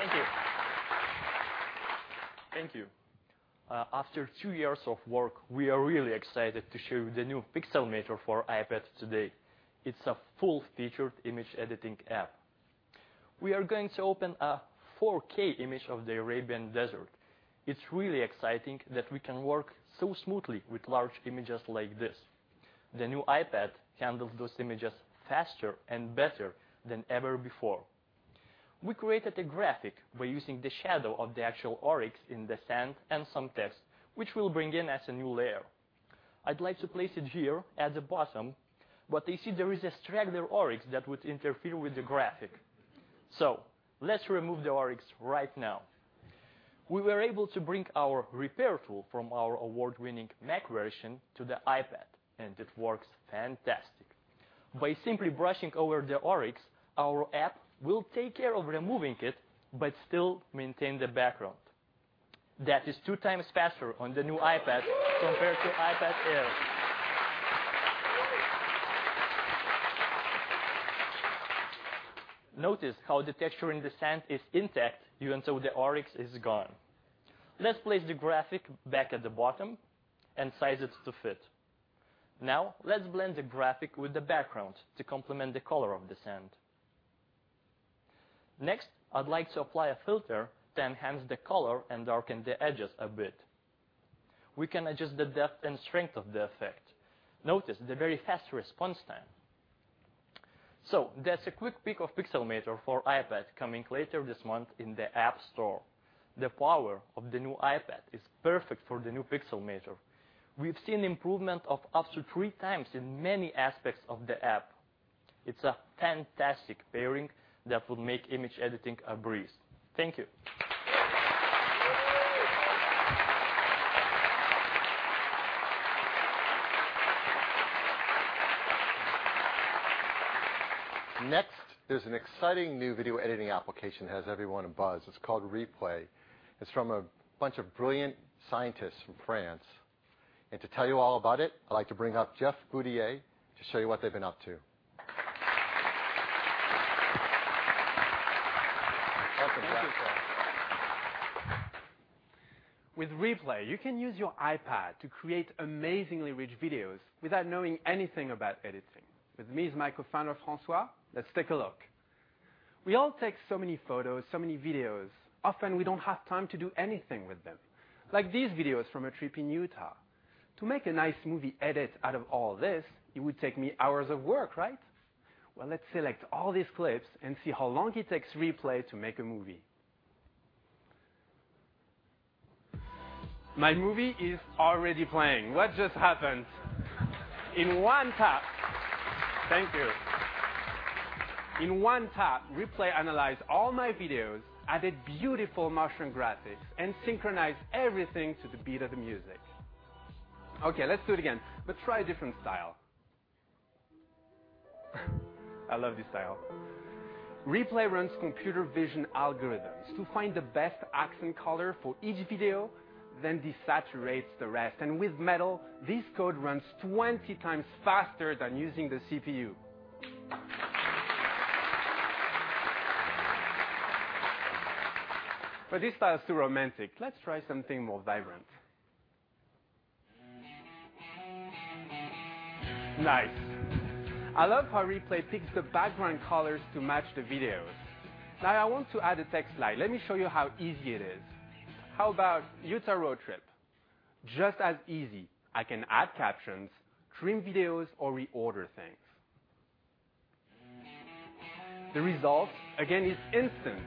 Speaker 3: Thank you. Thank you. After two years of work, we are really excited to show you the new Pixelmator for iPad today. It's a full-featured image editing app. We are going to open a 4K image of the Arabian desert. It's really exciting that we can work so smoothly with large images like this. The new iPad handles those images faster and better than ever before. We created a graphic. We're using the shadow of the actual oryx in the sand and some text, which we'll bring in as a new layer. I'd like to place it here at the bottom, you see there is a stranded oryx that would interfere with the graphic. Let's remove the oryx right now. We were able to bring our repair tool from our award-winning Mac version to the iPad, and it works fantastic. By simply brushing over the oryx, our app will take care of removing it but still maintain the background. That is two times faster on the new iPad compared to iPad Air. Notice how the texture in the sand is intact even though the oryx is gone. Let's place the graphic back at the bottom and size it to fit. Now let's blend the graphic with the background to complement the color of the sand. I'd like to apply a filter to enhance the color and darken the edges a bit. We can adjust the depth and strength of the effect. Notice the very fast response time. That's a quick peek of Pixelmator for iPad coming later this month in the App Store. The power of the new iPad is perfect for the new Pixelmator. We've seen improvement of up to three times in many aspects of the app. It's a fantastic pairing that will make image editing a breeze. Thank you. There's an exciting new video editing application that has everyone abuzz. It's called Replay. It's from a bunch of brilliant scientists from France. To tell you all about it, I'd like to bring up Jeff Boudier to show you what they've been up to. Welcome, Jeff.
Speaker 4: Thank you, Phil. With Replay, you can use your iPad to create amazingly rich videos without knowing anything about editing. With me is my co-founder, Francois. Let's take a look. We all take so many photos, so many videos. Often, we don't have time to do anything with them. Like these videos from a trip in Utah. To make a nice movie edit out of all this, it would take me hours of work, right? Well, let's select all these clips and see how long it takes Replay to make a movie. My movie is already playing. What just happened? Thank you. In one tap, Replay analyzed all my videos, added beautiful motion graphics, and synchronized everything to the beat of the music. Okay, let's do it again. Let's try a different style. I love this style. Replay runs computer vision algorithms to find the best accent color for each video, then desaturates the rest. With Metal, this code runs 20 times faster than using the CPU. This style is too romantic. Let's try something more vibrant. Nice. I love how Replay picks the background colors to match the videos. I want to add a text slide. Let me show you how easy it is. How about Utah road trip? Just as easy. I can add captions, trim videos, or reorder things. The result, again, is instant.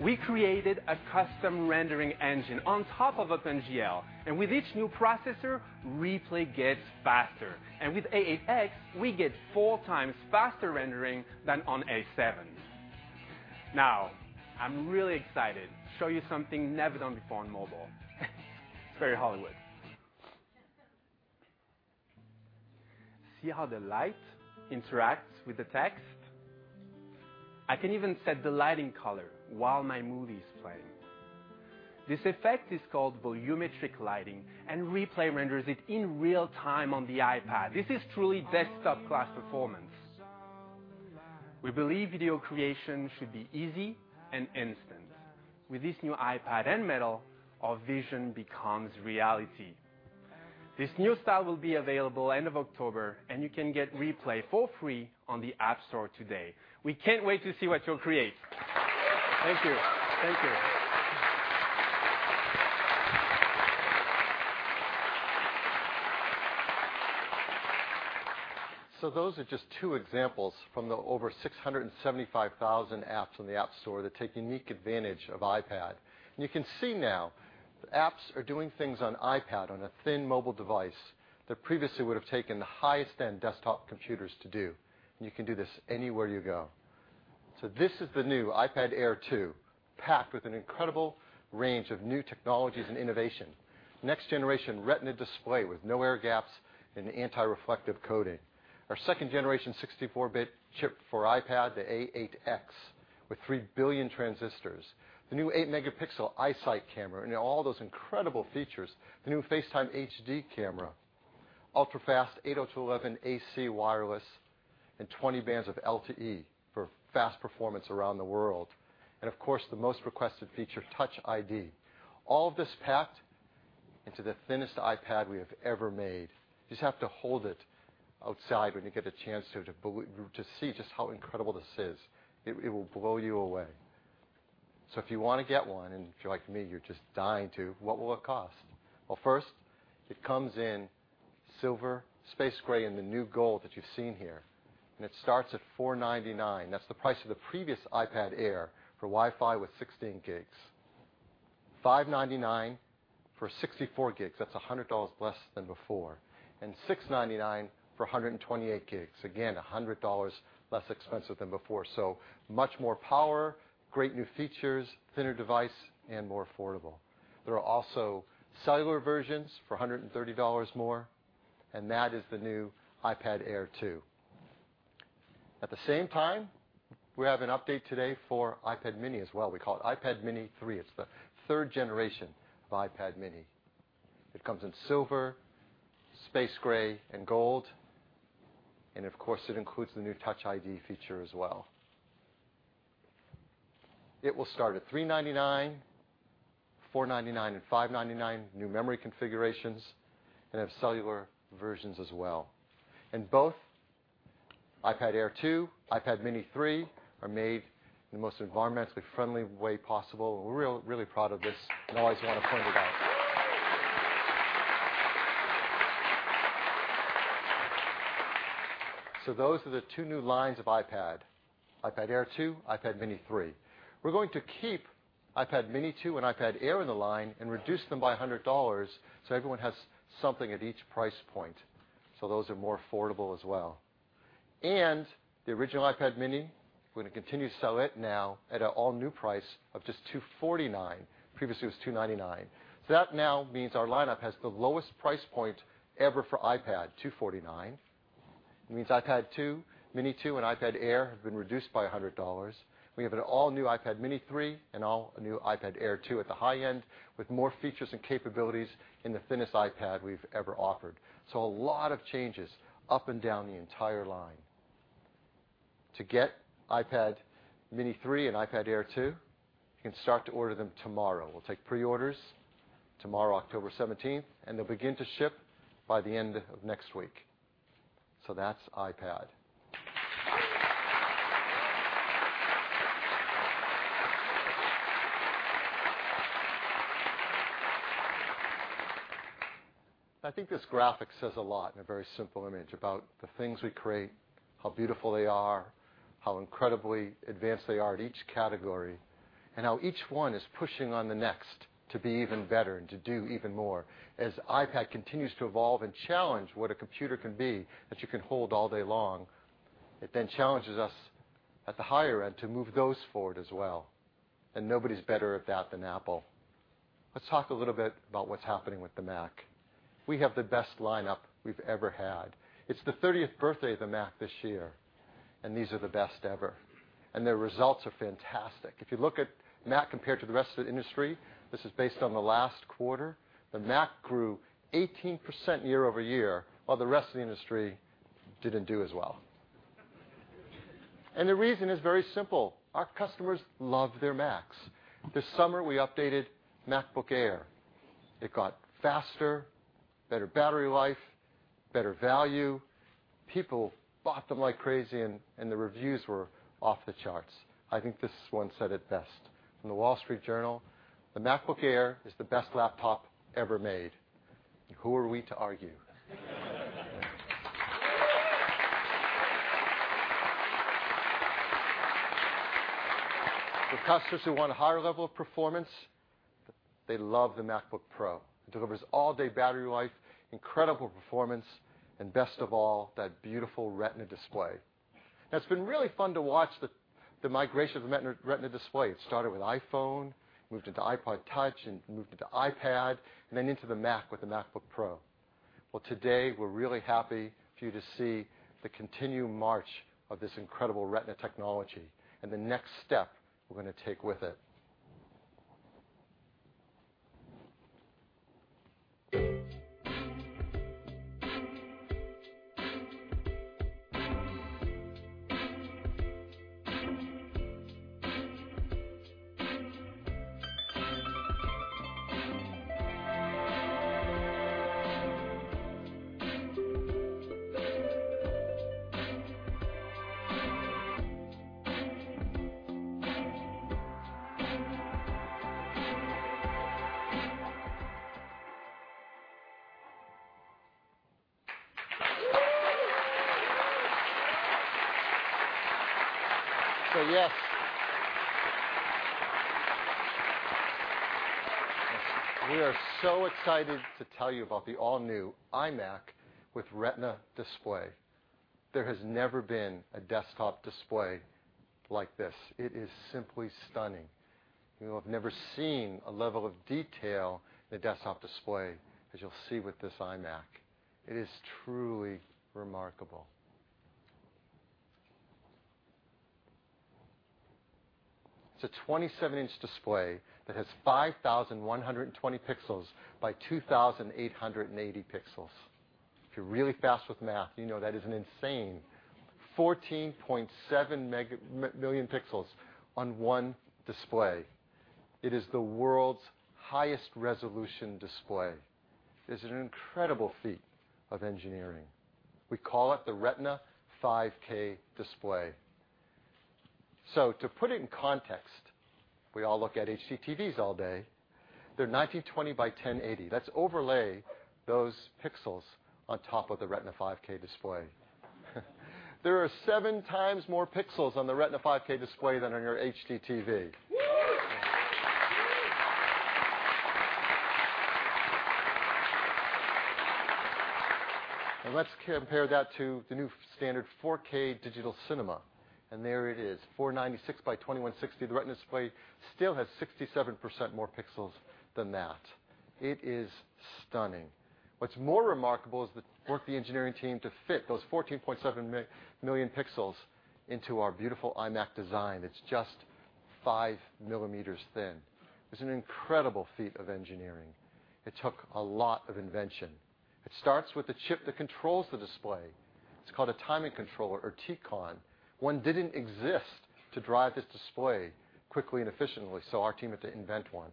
Speaker 4: We created a custom rendering engine on top of OpenGL, and with each new processor, Replay gets faster. With A8X, we get four times faster rendering than on A7. I'm really excited to show you something never done before on mobile. It's very Hollywood. See how the light interacts with the text? I can even set the lighting color while my movie is playing. This effect is called volumetric lighting, Replay renders it in real time on the iPad. This is truly desktop-class performance. We believe video creation should be easy and instant. With this new iPad and Metal, our vision becomes reality. This new style will be available end of October, you can get Replay for free on the App Store today. We can't wait to see what you'll create. Thank you. Thank you.
Speaker 3: Those are just two examples from the over 675,000 apps on the App Store that take unique advantage of iPad. You can see now that apps are doing things on iPad on a thin mobile device that previously would've taken the highest-end desktop computers to do. You can do this anywhere you go. This is the new iPad Air 2, packed with an incredible range of new technologies and innovation. Next generation Retina display with no air gaps and anti-reflective coating. Our second-generation 64-bit chip for iPad, the A8X, with 3 billion transistors. The new eight-megapixel iSight camera, and all those incredible features. The new FaceTime HD camera, ultra-fast 802.11ac wireless, and 20 bands of LTE for fast performance around the world. Of course, the most requested feature, Touch ID. All of this packed into the thinnest iPad we have ever made. You just have to hold it outside when you get a chance to see just how incredible this is. It will blow you away. If you want to get one, and if you're like me, you're just dying to, what will it cost? First, it comes in silver, space gray, and the new gold that you've seen here. It starts at $499. That's the price of the previous iPad Air for Wi-Fi with 16 gigs. $599 for 64 gigs. That's $100 less than before. $699 for 128 gigs. Again, $100 less expensive than before. Much more power, great new features, thinner device, more affordable. There are also cellular versions for $130 more, that is the new iPad Air 2. At the same time, we have an update today for iPad mini as well. We call it iPad mini 3. It's the third generation of iPad mini. It comes in silver, space gray, and gold, and of course, it includes the new Touch ID feature as well. It will start at $399, $499, and $599, new memory configurations, and have cellular versions as well. Both iPad Air 2, iPad mini 3 are made in the most environmentally friendly way possible. We're really proud of this and always want to point it out. Those are the two new lines of iPad Air 2, iPad mini 3. We're going to keep iPad mini 2 and iPad Air in the line and reduce them by $100 so everyone has something at each price point. Those are more affordable as well. The original iPad mini, we're going to continue to sell it now at an all-new price of just $249. Previously, it was $299. That now means our lineup has the lowest price point ever for iPad, $249. It means iPad Air 2, mini 2, and iPad Air have been reduced by $100. We have an all-new iPad mini 3 and all-new iPad Air 2 at the high end with more features and capabilities in the thinnest iPad we've ever offered. A lot of changes up and down the entire line. To get iPad mini 3 and iPad Air 2, you can start to order them tomorrow. We'll take pre-orders tomorrow, October 17th, and they'll begin to ship by the end of next week. That's iPad. I think this graphic says a lot in a very simple image about the things we create, how beautiful they are, how incredibly advanced they are at each category, and how each one is pushing on the next to be even better and to do even more. As iPad continues to evolve and challenge what a computer can be that you can hold all day long, it then challenges us at the higher end to move those forward as well. Nobody's better at that than Apple. Let's talk a little bit about what's happening with the Mac. We have the best lineup we've ever had. It's the 30th birthday of the Mac this year, and these are the best ever, and their results are fantastic. If you look at Mac compared to the rest of the industry, this is based on the last quarter. The Mac grew 18% year-over-year while the rest of the industry didn't do as well. The reason is very simple. Our customers love their Macs. This summer, we updated MacBook Air. It got faster, better battery life, better value. People bought them like crazy, and the reviews were off the charts. I think this one said it best from "The Wall Street Journal," "The MacBook Air is the best laptop ever made." Who are we to argue? For customers who want a higher level of performance, they love the MacBook Pro. It delivers all-day battery life, incredible performance, and best of all, that beautiful Retina display. Now, it's been really fun to watch the migration of the Retina display. It started with iPhone, moved into iPod touch, and moved into iPad, and then into the Mac with the MacBook Pro. Today, we're really happy for you to see the continued march of this incredible Retina technology and the next step we're going to take with it. Yes. We are so excited to tell you about the all-new iMac with Retina Display. There has never been a desktop display like this. It is simply stunning. You will have never seen a level of detail in a desktop display as you'll see with this iMac. It is truly remarkable. It's a 27-inch display that has 5,120 pixels by 2,880 pixels. If you're really fast with math, you know that is an insane 14.7 million pixels on one display. It is the world's highest resolution display. It is an incredible feat of engineering. We call it the Retina 5K display. To put it in context, we all look at HDTVs all day. They're 1,920 by 1,080. Let's overlay those pixels on top of the Retina 5K display. There are seven times more pixels on the Retina 5K display than on your HDTV. Let's compare that to the new standard 4K digital cinema, and there it is, 4,096 by 2,160. The Retina display still has 67% more pixels than that. It is stunning. What's more remarkable is the work the engineering team to fit those 14.7 million pixels into our beautiful iMac design that's just 5 millimeters thin. It was an incredible feat of engineering. It took a lot of invention. It starts with the chip that controls the display. It's called a timing controller or T-Con. One didn't exist to drive this display quickly and efficiently, our team had to invent one.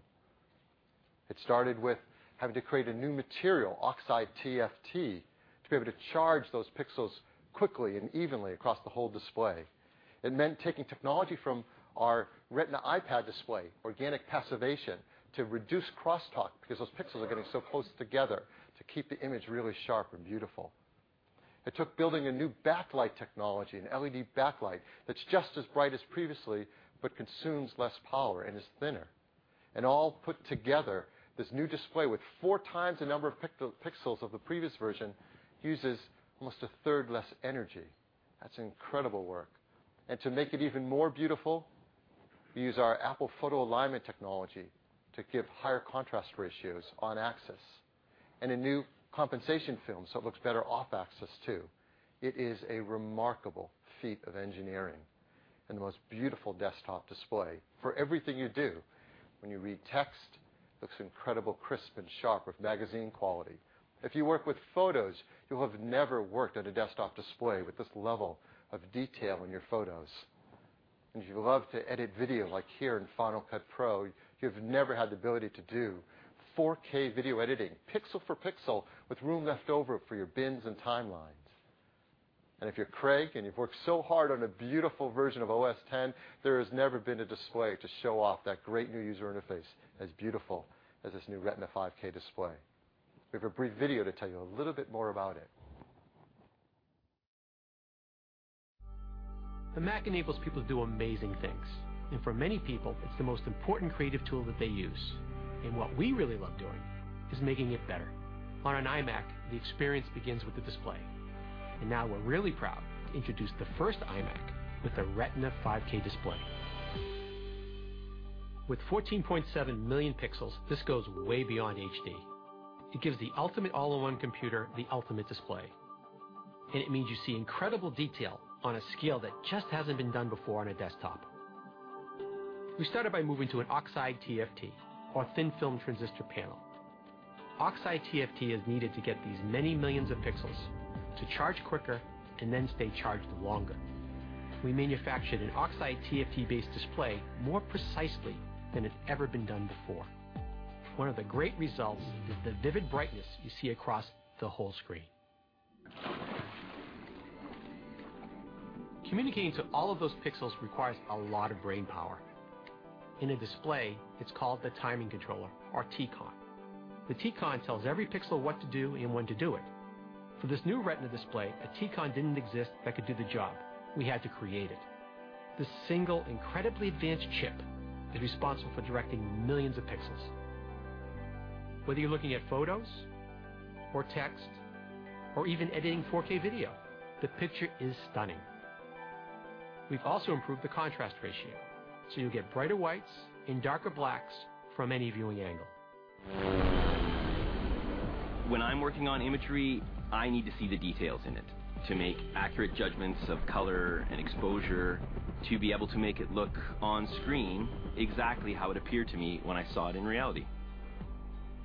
Speaker 3: It started with having to create a new material, oxide TFT, to be able to charge those pixels quickly and evenly across the whole display. It meant taking technology from our Retina iPad display, organic passivation, to reduce crosstalk because those pixels are getting so close together to keep the image really sharp and beautiful. It took building a new backlight technology, an LED backlight, that's just as bright as previously, but consumes less power and is thinner. All put together, this new display with four times the number of pixels of the previous version uses almost a third less energy. That's incredible work. To make it even more beautiful, we use our Apple photo alignment technology to give higher contrast ratios on axis, and a new compensation film so it looks better off axis too. It is a remarkable feat of engineering and the most beautiful desktop display for everything you do. When you read text, it looks incredible, crisp, and sharp with magazine quality. If you work with photos, you'll have never worked at a desktop display with this level of detail in your photos. If you love to edit video, like here in Final Cut Pro, you have never had the ability to do 4K video editing, pixel for pixel, with room left over for your bins and timelines. If you're Craig and you've worked so hard on a beautiful version of OS X, there has never been a display to show off that great new user interface as beautiful as this new Retina 5K display. We have a brief video to tell you a little bit more about it.
Speaker 5: The Mac enables people to do amazing things. For many people, it's the most important creative tool that they use. What we really love doing is making it better. On an iMac, the experience begins with the display. Now we're really proud to introduce the first iMac with a Retina 5K display. With 14.7 million pixels, this goes way beyond HD. It gives the ultimate all-in-one computer the ultimate display. It means you see incredible detail on a scale that just hasn't been done before on a desktop. We started by moving to an oxide TFT, or thin-film transistor panel. Oxide TFT is needed to get these many millions of pixels to charge quicker and then stay charged longer. We manufactured an oxide TFT-based display more precisely than it's ever been done before. One of the great results is the vivid brightness you see across the whole screen. Communicating to all of those pixels requires a lot of brainpower. In a display, it's called the timing controller, or T-Con. The T-Con tells every pixel what to do and when to do it. For this new Retina display, a T-Con didn't exist that could do the job. We had to create it. This single, incredibly advanced chip is responsible for directing millions of pixels. Whether you're looking at photos or text, or even editing 4K video, the picture is stunning. We've also improved the contrast ratio, you'll get brighter whites and darker blacks from any viewing angle.
Speaker 6: When I'm working on imagery, I need to see the details in it to make accurate judgments of color and exposure, to be able to make it look on screen exactly how it appeared to me when I saw it in reality.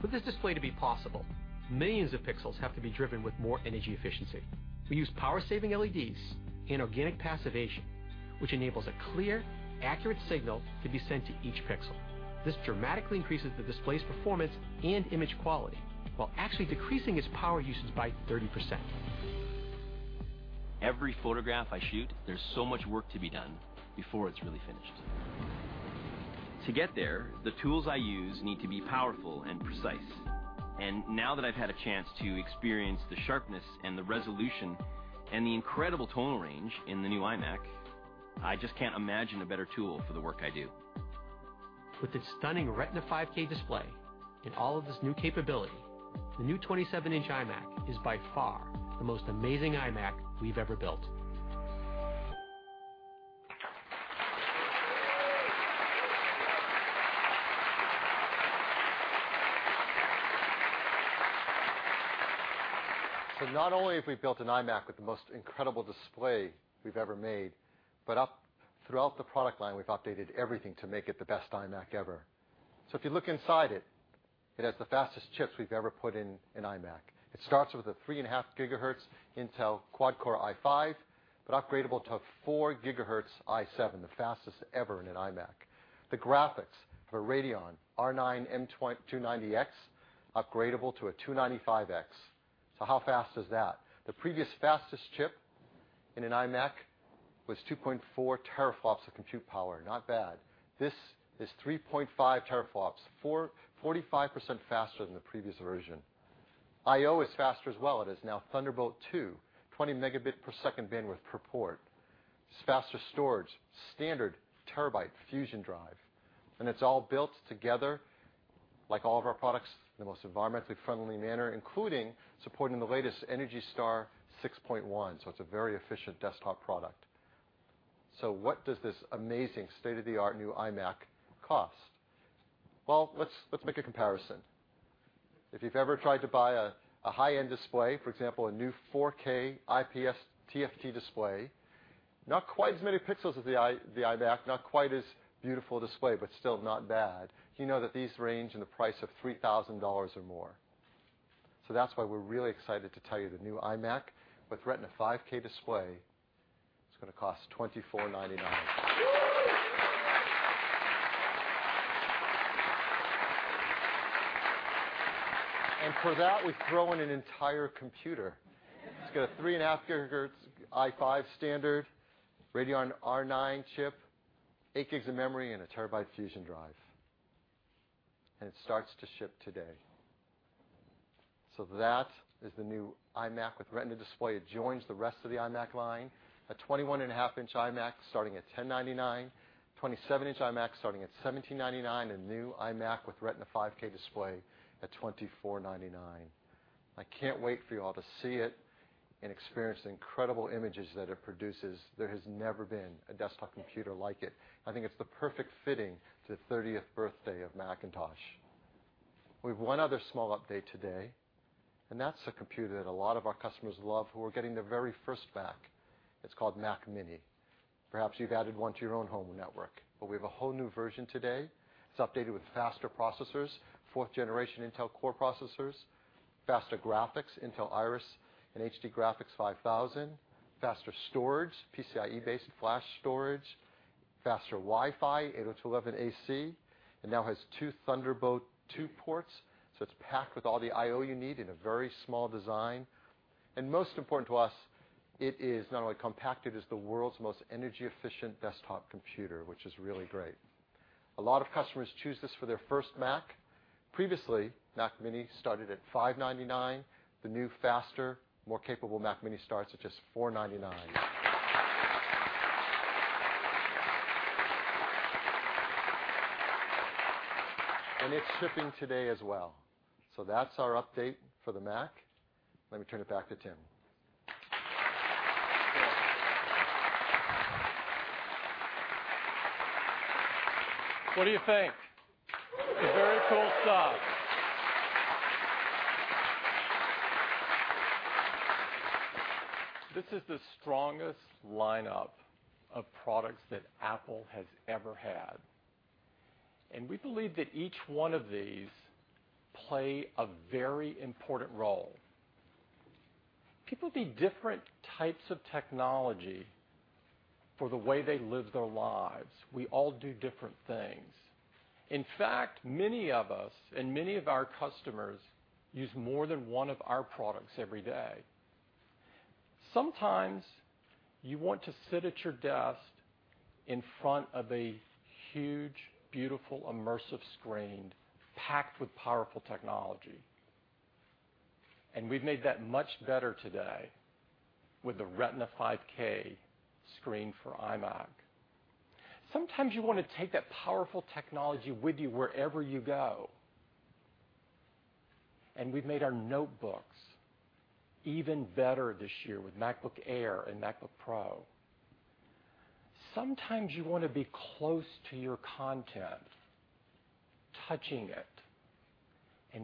Speaker 5: For this display to be possible, millions of pixels have to be driven with more energy efficiency. We use power-saving LEDs and organic passivation, which enables a clear, accurate signal to be sent to each pixel. This dramatically increases the display's performance and image quality while actually decreasing its power usage by 30%.
Speaker 6: Every photograph I shoot, there's so much work to be done before it's really finished. To get there, the tools I use need to be powerful and precise. Now that I've had a chance to experience the sharpness and the resolution, and the incredible tonal range in the new iMac, I just can't imagine a better tool for the work I do.
Speaker 5: With its stunning Retina 5K display and all of this new capability, the new 27-inch iMac is by far the most amazing iMac we've ever built.
Speaker 3: Not only have we built an iMac with the most incredible display we've ever made, but up throughout the product line, we've updated everything to make it the best iMac ever. If you look inside it has the fastest chips we've ever put in an iMac. It starts with a 3.5 gigahertz Intel quad-core i5, but upgradable to a 4 gigahertz i7, the fastest ever in an iMac. The graphics are Radeon R9 290X, upgradable to a 295X. How fast is that? The previous fastest chip in an iMac was 2.4 teraflops of compute power. Not bad. This is 3.5 teraflops, 45% faster than the previous version. I/O is faster as well. It is now Thunderbolt 2, 20 gigabit per second bandwidth per port. It's faster storage. Standard terabyte Fusion Drive. It's all built together, like all of our products, in the most environmentally friendly manner, including supporting the latest ENERGY STAR 6.1, it's a very efficient desktop product. What does this amazing state-of-the-art new iMac cost? Well, let's make a comparison. If you've ever tried to buy a high-end display, for example, a new 4K IPS TFT display, not quite as many pixels as the iMac, not quite as beautiful display, but still not bad. You know that these range in the price of $3,000 or more. That's why we're really excited to tell you the new iMac with Retina 5K display is going to cost $2499. For that, we throw in an entire computer. It's got a 3.5 gigahertz i5 standard, Radeon R9 chip, eight gigs of memory, and a terabyte Fusion Drive. It starts to ship today. That is the new iMac with Retina display. It joins the rest of the iMac line. A 21.5-inch iMac starting at $1099, 27-inch iMac starting at $1799, and new iMac with Retina 5K display at $2499. I can't wait for you all to see it and experience the incredible images that it produces. There has never been a desktop computer like it. I think it's the perfect fitting to the 30th birthday of Macintosh. We have one other small update today, that's a computer that a lot of our customers love, who are getting their very first Mac. It's called Mac mini. Perhaps you've added one to your own home network. We have a whole new version today. It's updated with faster processors, 4th-generation Intel Core processors. Faster graphics, Intel Iris and HD Graphics 5000. Faster storage, PCIe-based flash storage. Faster Wi-Fi, 802.11ac. It now has 2 Thunderbolt 2 ports. It's packed with all the I/O you need in a very small design. Most important to us, it is not only compact, it is the world's most energy efficient desktop computer, which is really great. A lot of customers choose this for their first Mac. Previously, Mac mini started at $599. The new, faster, more capable Mac mini starts at just $499. It's shipping today as well. That's our update for the Mac. Let me turn it back to Tim.
Speaker 1: What do you think? A very cool sauce. This is the strongest lineup of products that Apple has ever had. We believe that each one of these play a very important role. People need different types of technology for the way they live their lives. We all do different things. In fact, many of us and many of our customers use more than one of our products every day. Sometimes you want to sit at your desk in front of a huge, beautiful, immersive screen packed with powerful technology. We've made that much better today with the Retina 5K screen for iMac. Sometimes you want to take that powerful technology with you wherever you go. We've made our notebooks even better this year with MacBook Air and MacBook Pro. Sometimes you want to be close to your content, touching it,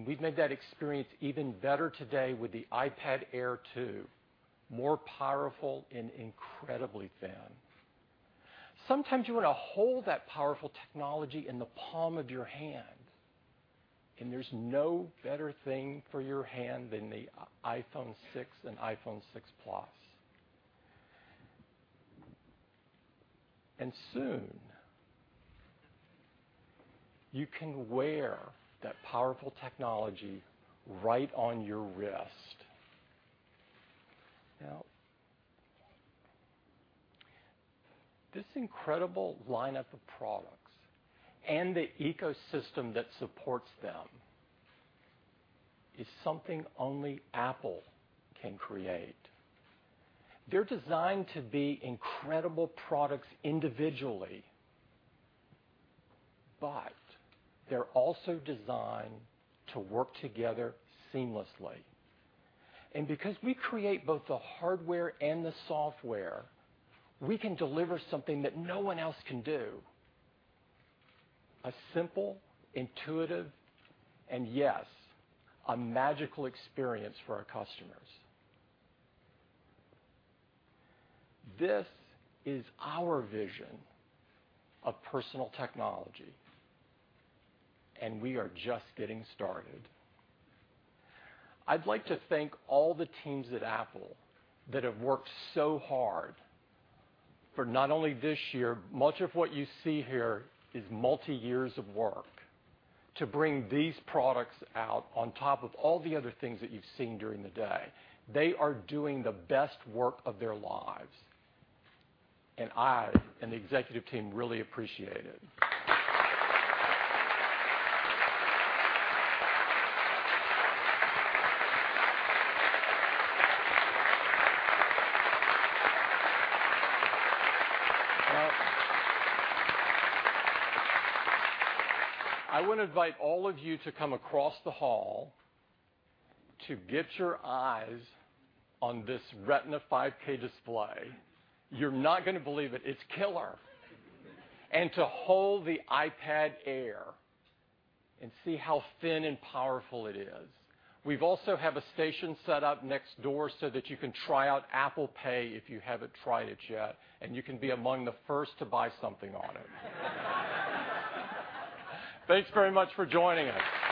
Speaker 1: we've made that experience even better today with the iPad Air 2, more powerful and incredibly thin. Sometimes you want to hold that powerful technology in the palm of your hand, there's no better thing for your hand than the iPhone 6 and iPhone 6 Plus. Soon, you can wear that powerful technology right on your wrist. Now, this incredible lineup of products and the ecosystem that supports them is something only Apple can create. They're designed to be incredible products individually, they're also designed to work together seamlessly. Because we create both the hardware and the software, we can deliver something that no one else can do. A simple, intuitive, yes, a magical experience for our customers. This is our vision of personal technology, we are just getting started. I'd like to thank all the teams at Apple that have worked so hard for not only this year, much of what you see here is multi-years of work to bring these products out on top of all the other things that you've seen during the day. They are doing the best work of their lives. I and the executive team really appreciate it. Now, I want to invite all of you to come across the hall to get your eyes on this Retina 5K display. You're not going to believe it. It's killer. To hold the iPad Air and see how thin and powerful it is. We've also have a station set up next door so that you can try out Apple Pay if you haven't tried it yet, and you can be among the first to buy something on it. Thanks very much for joining us.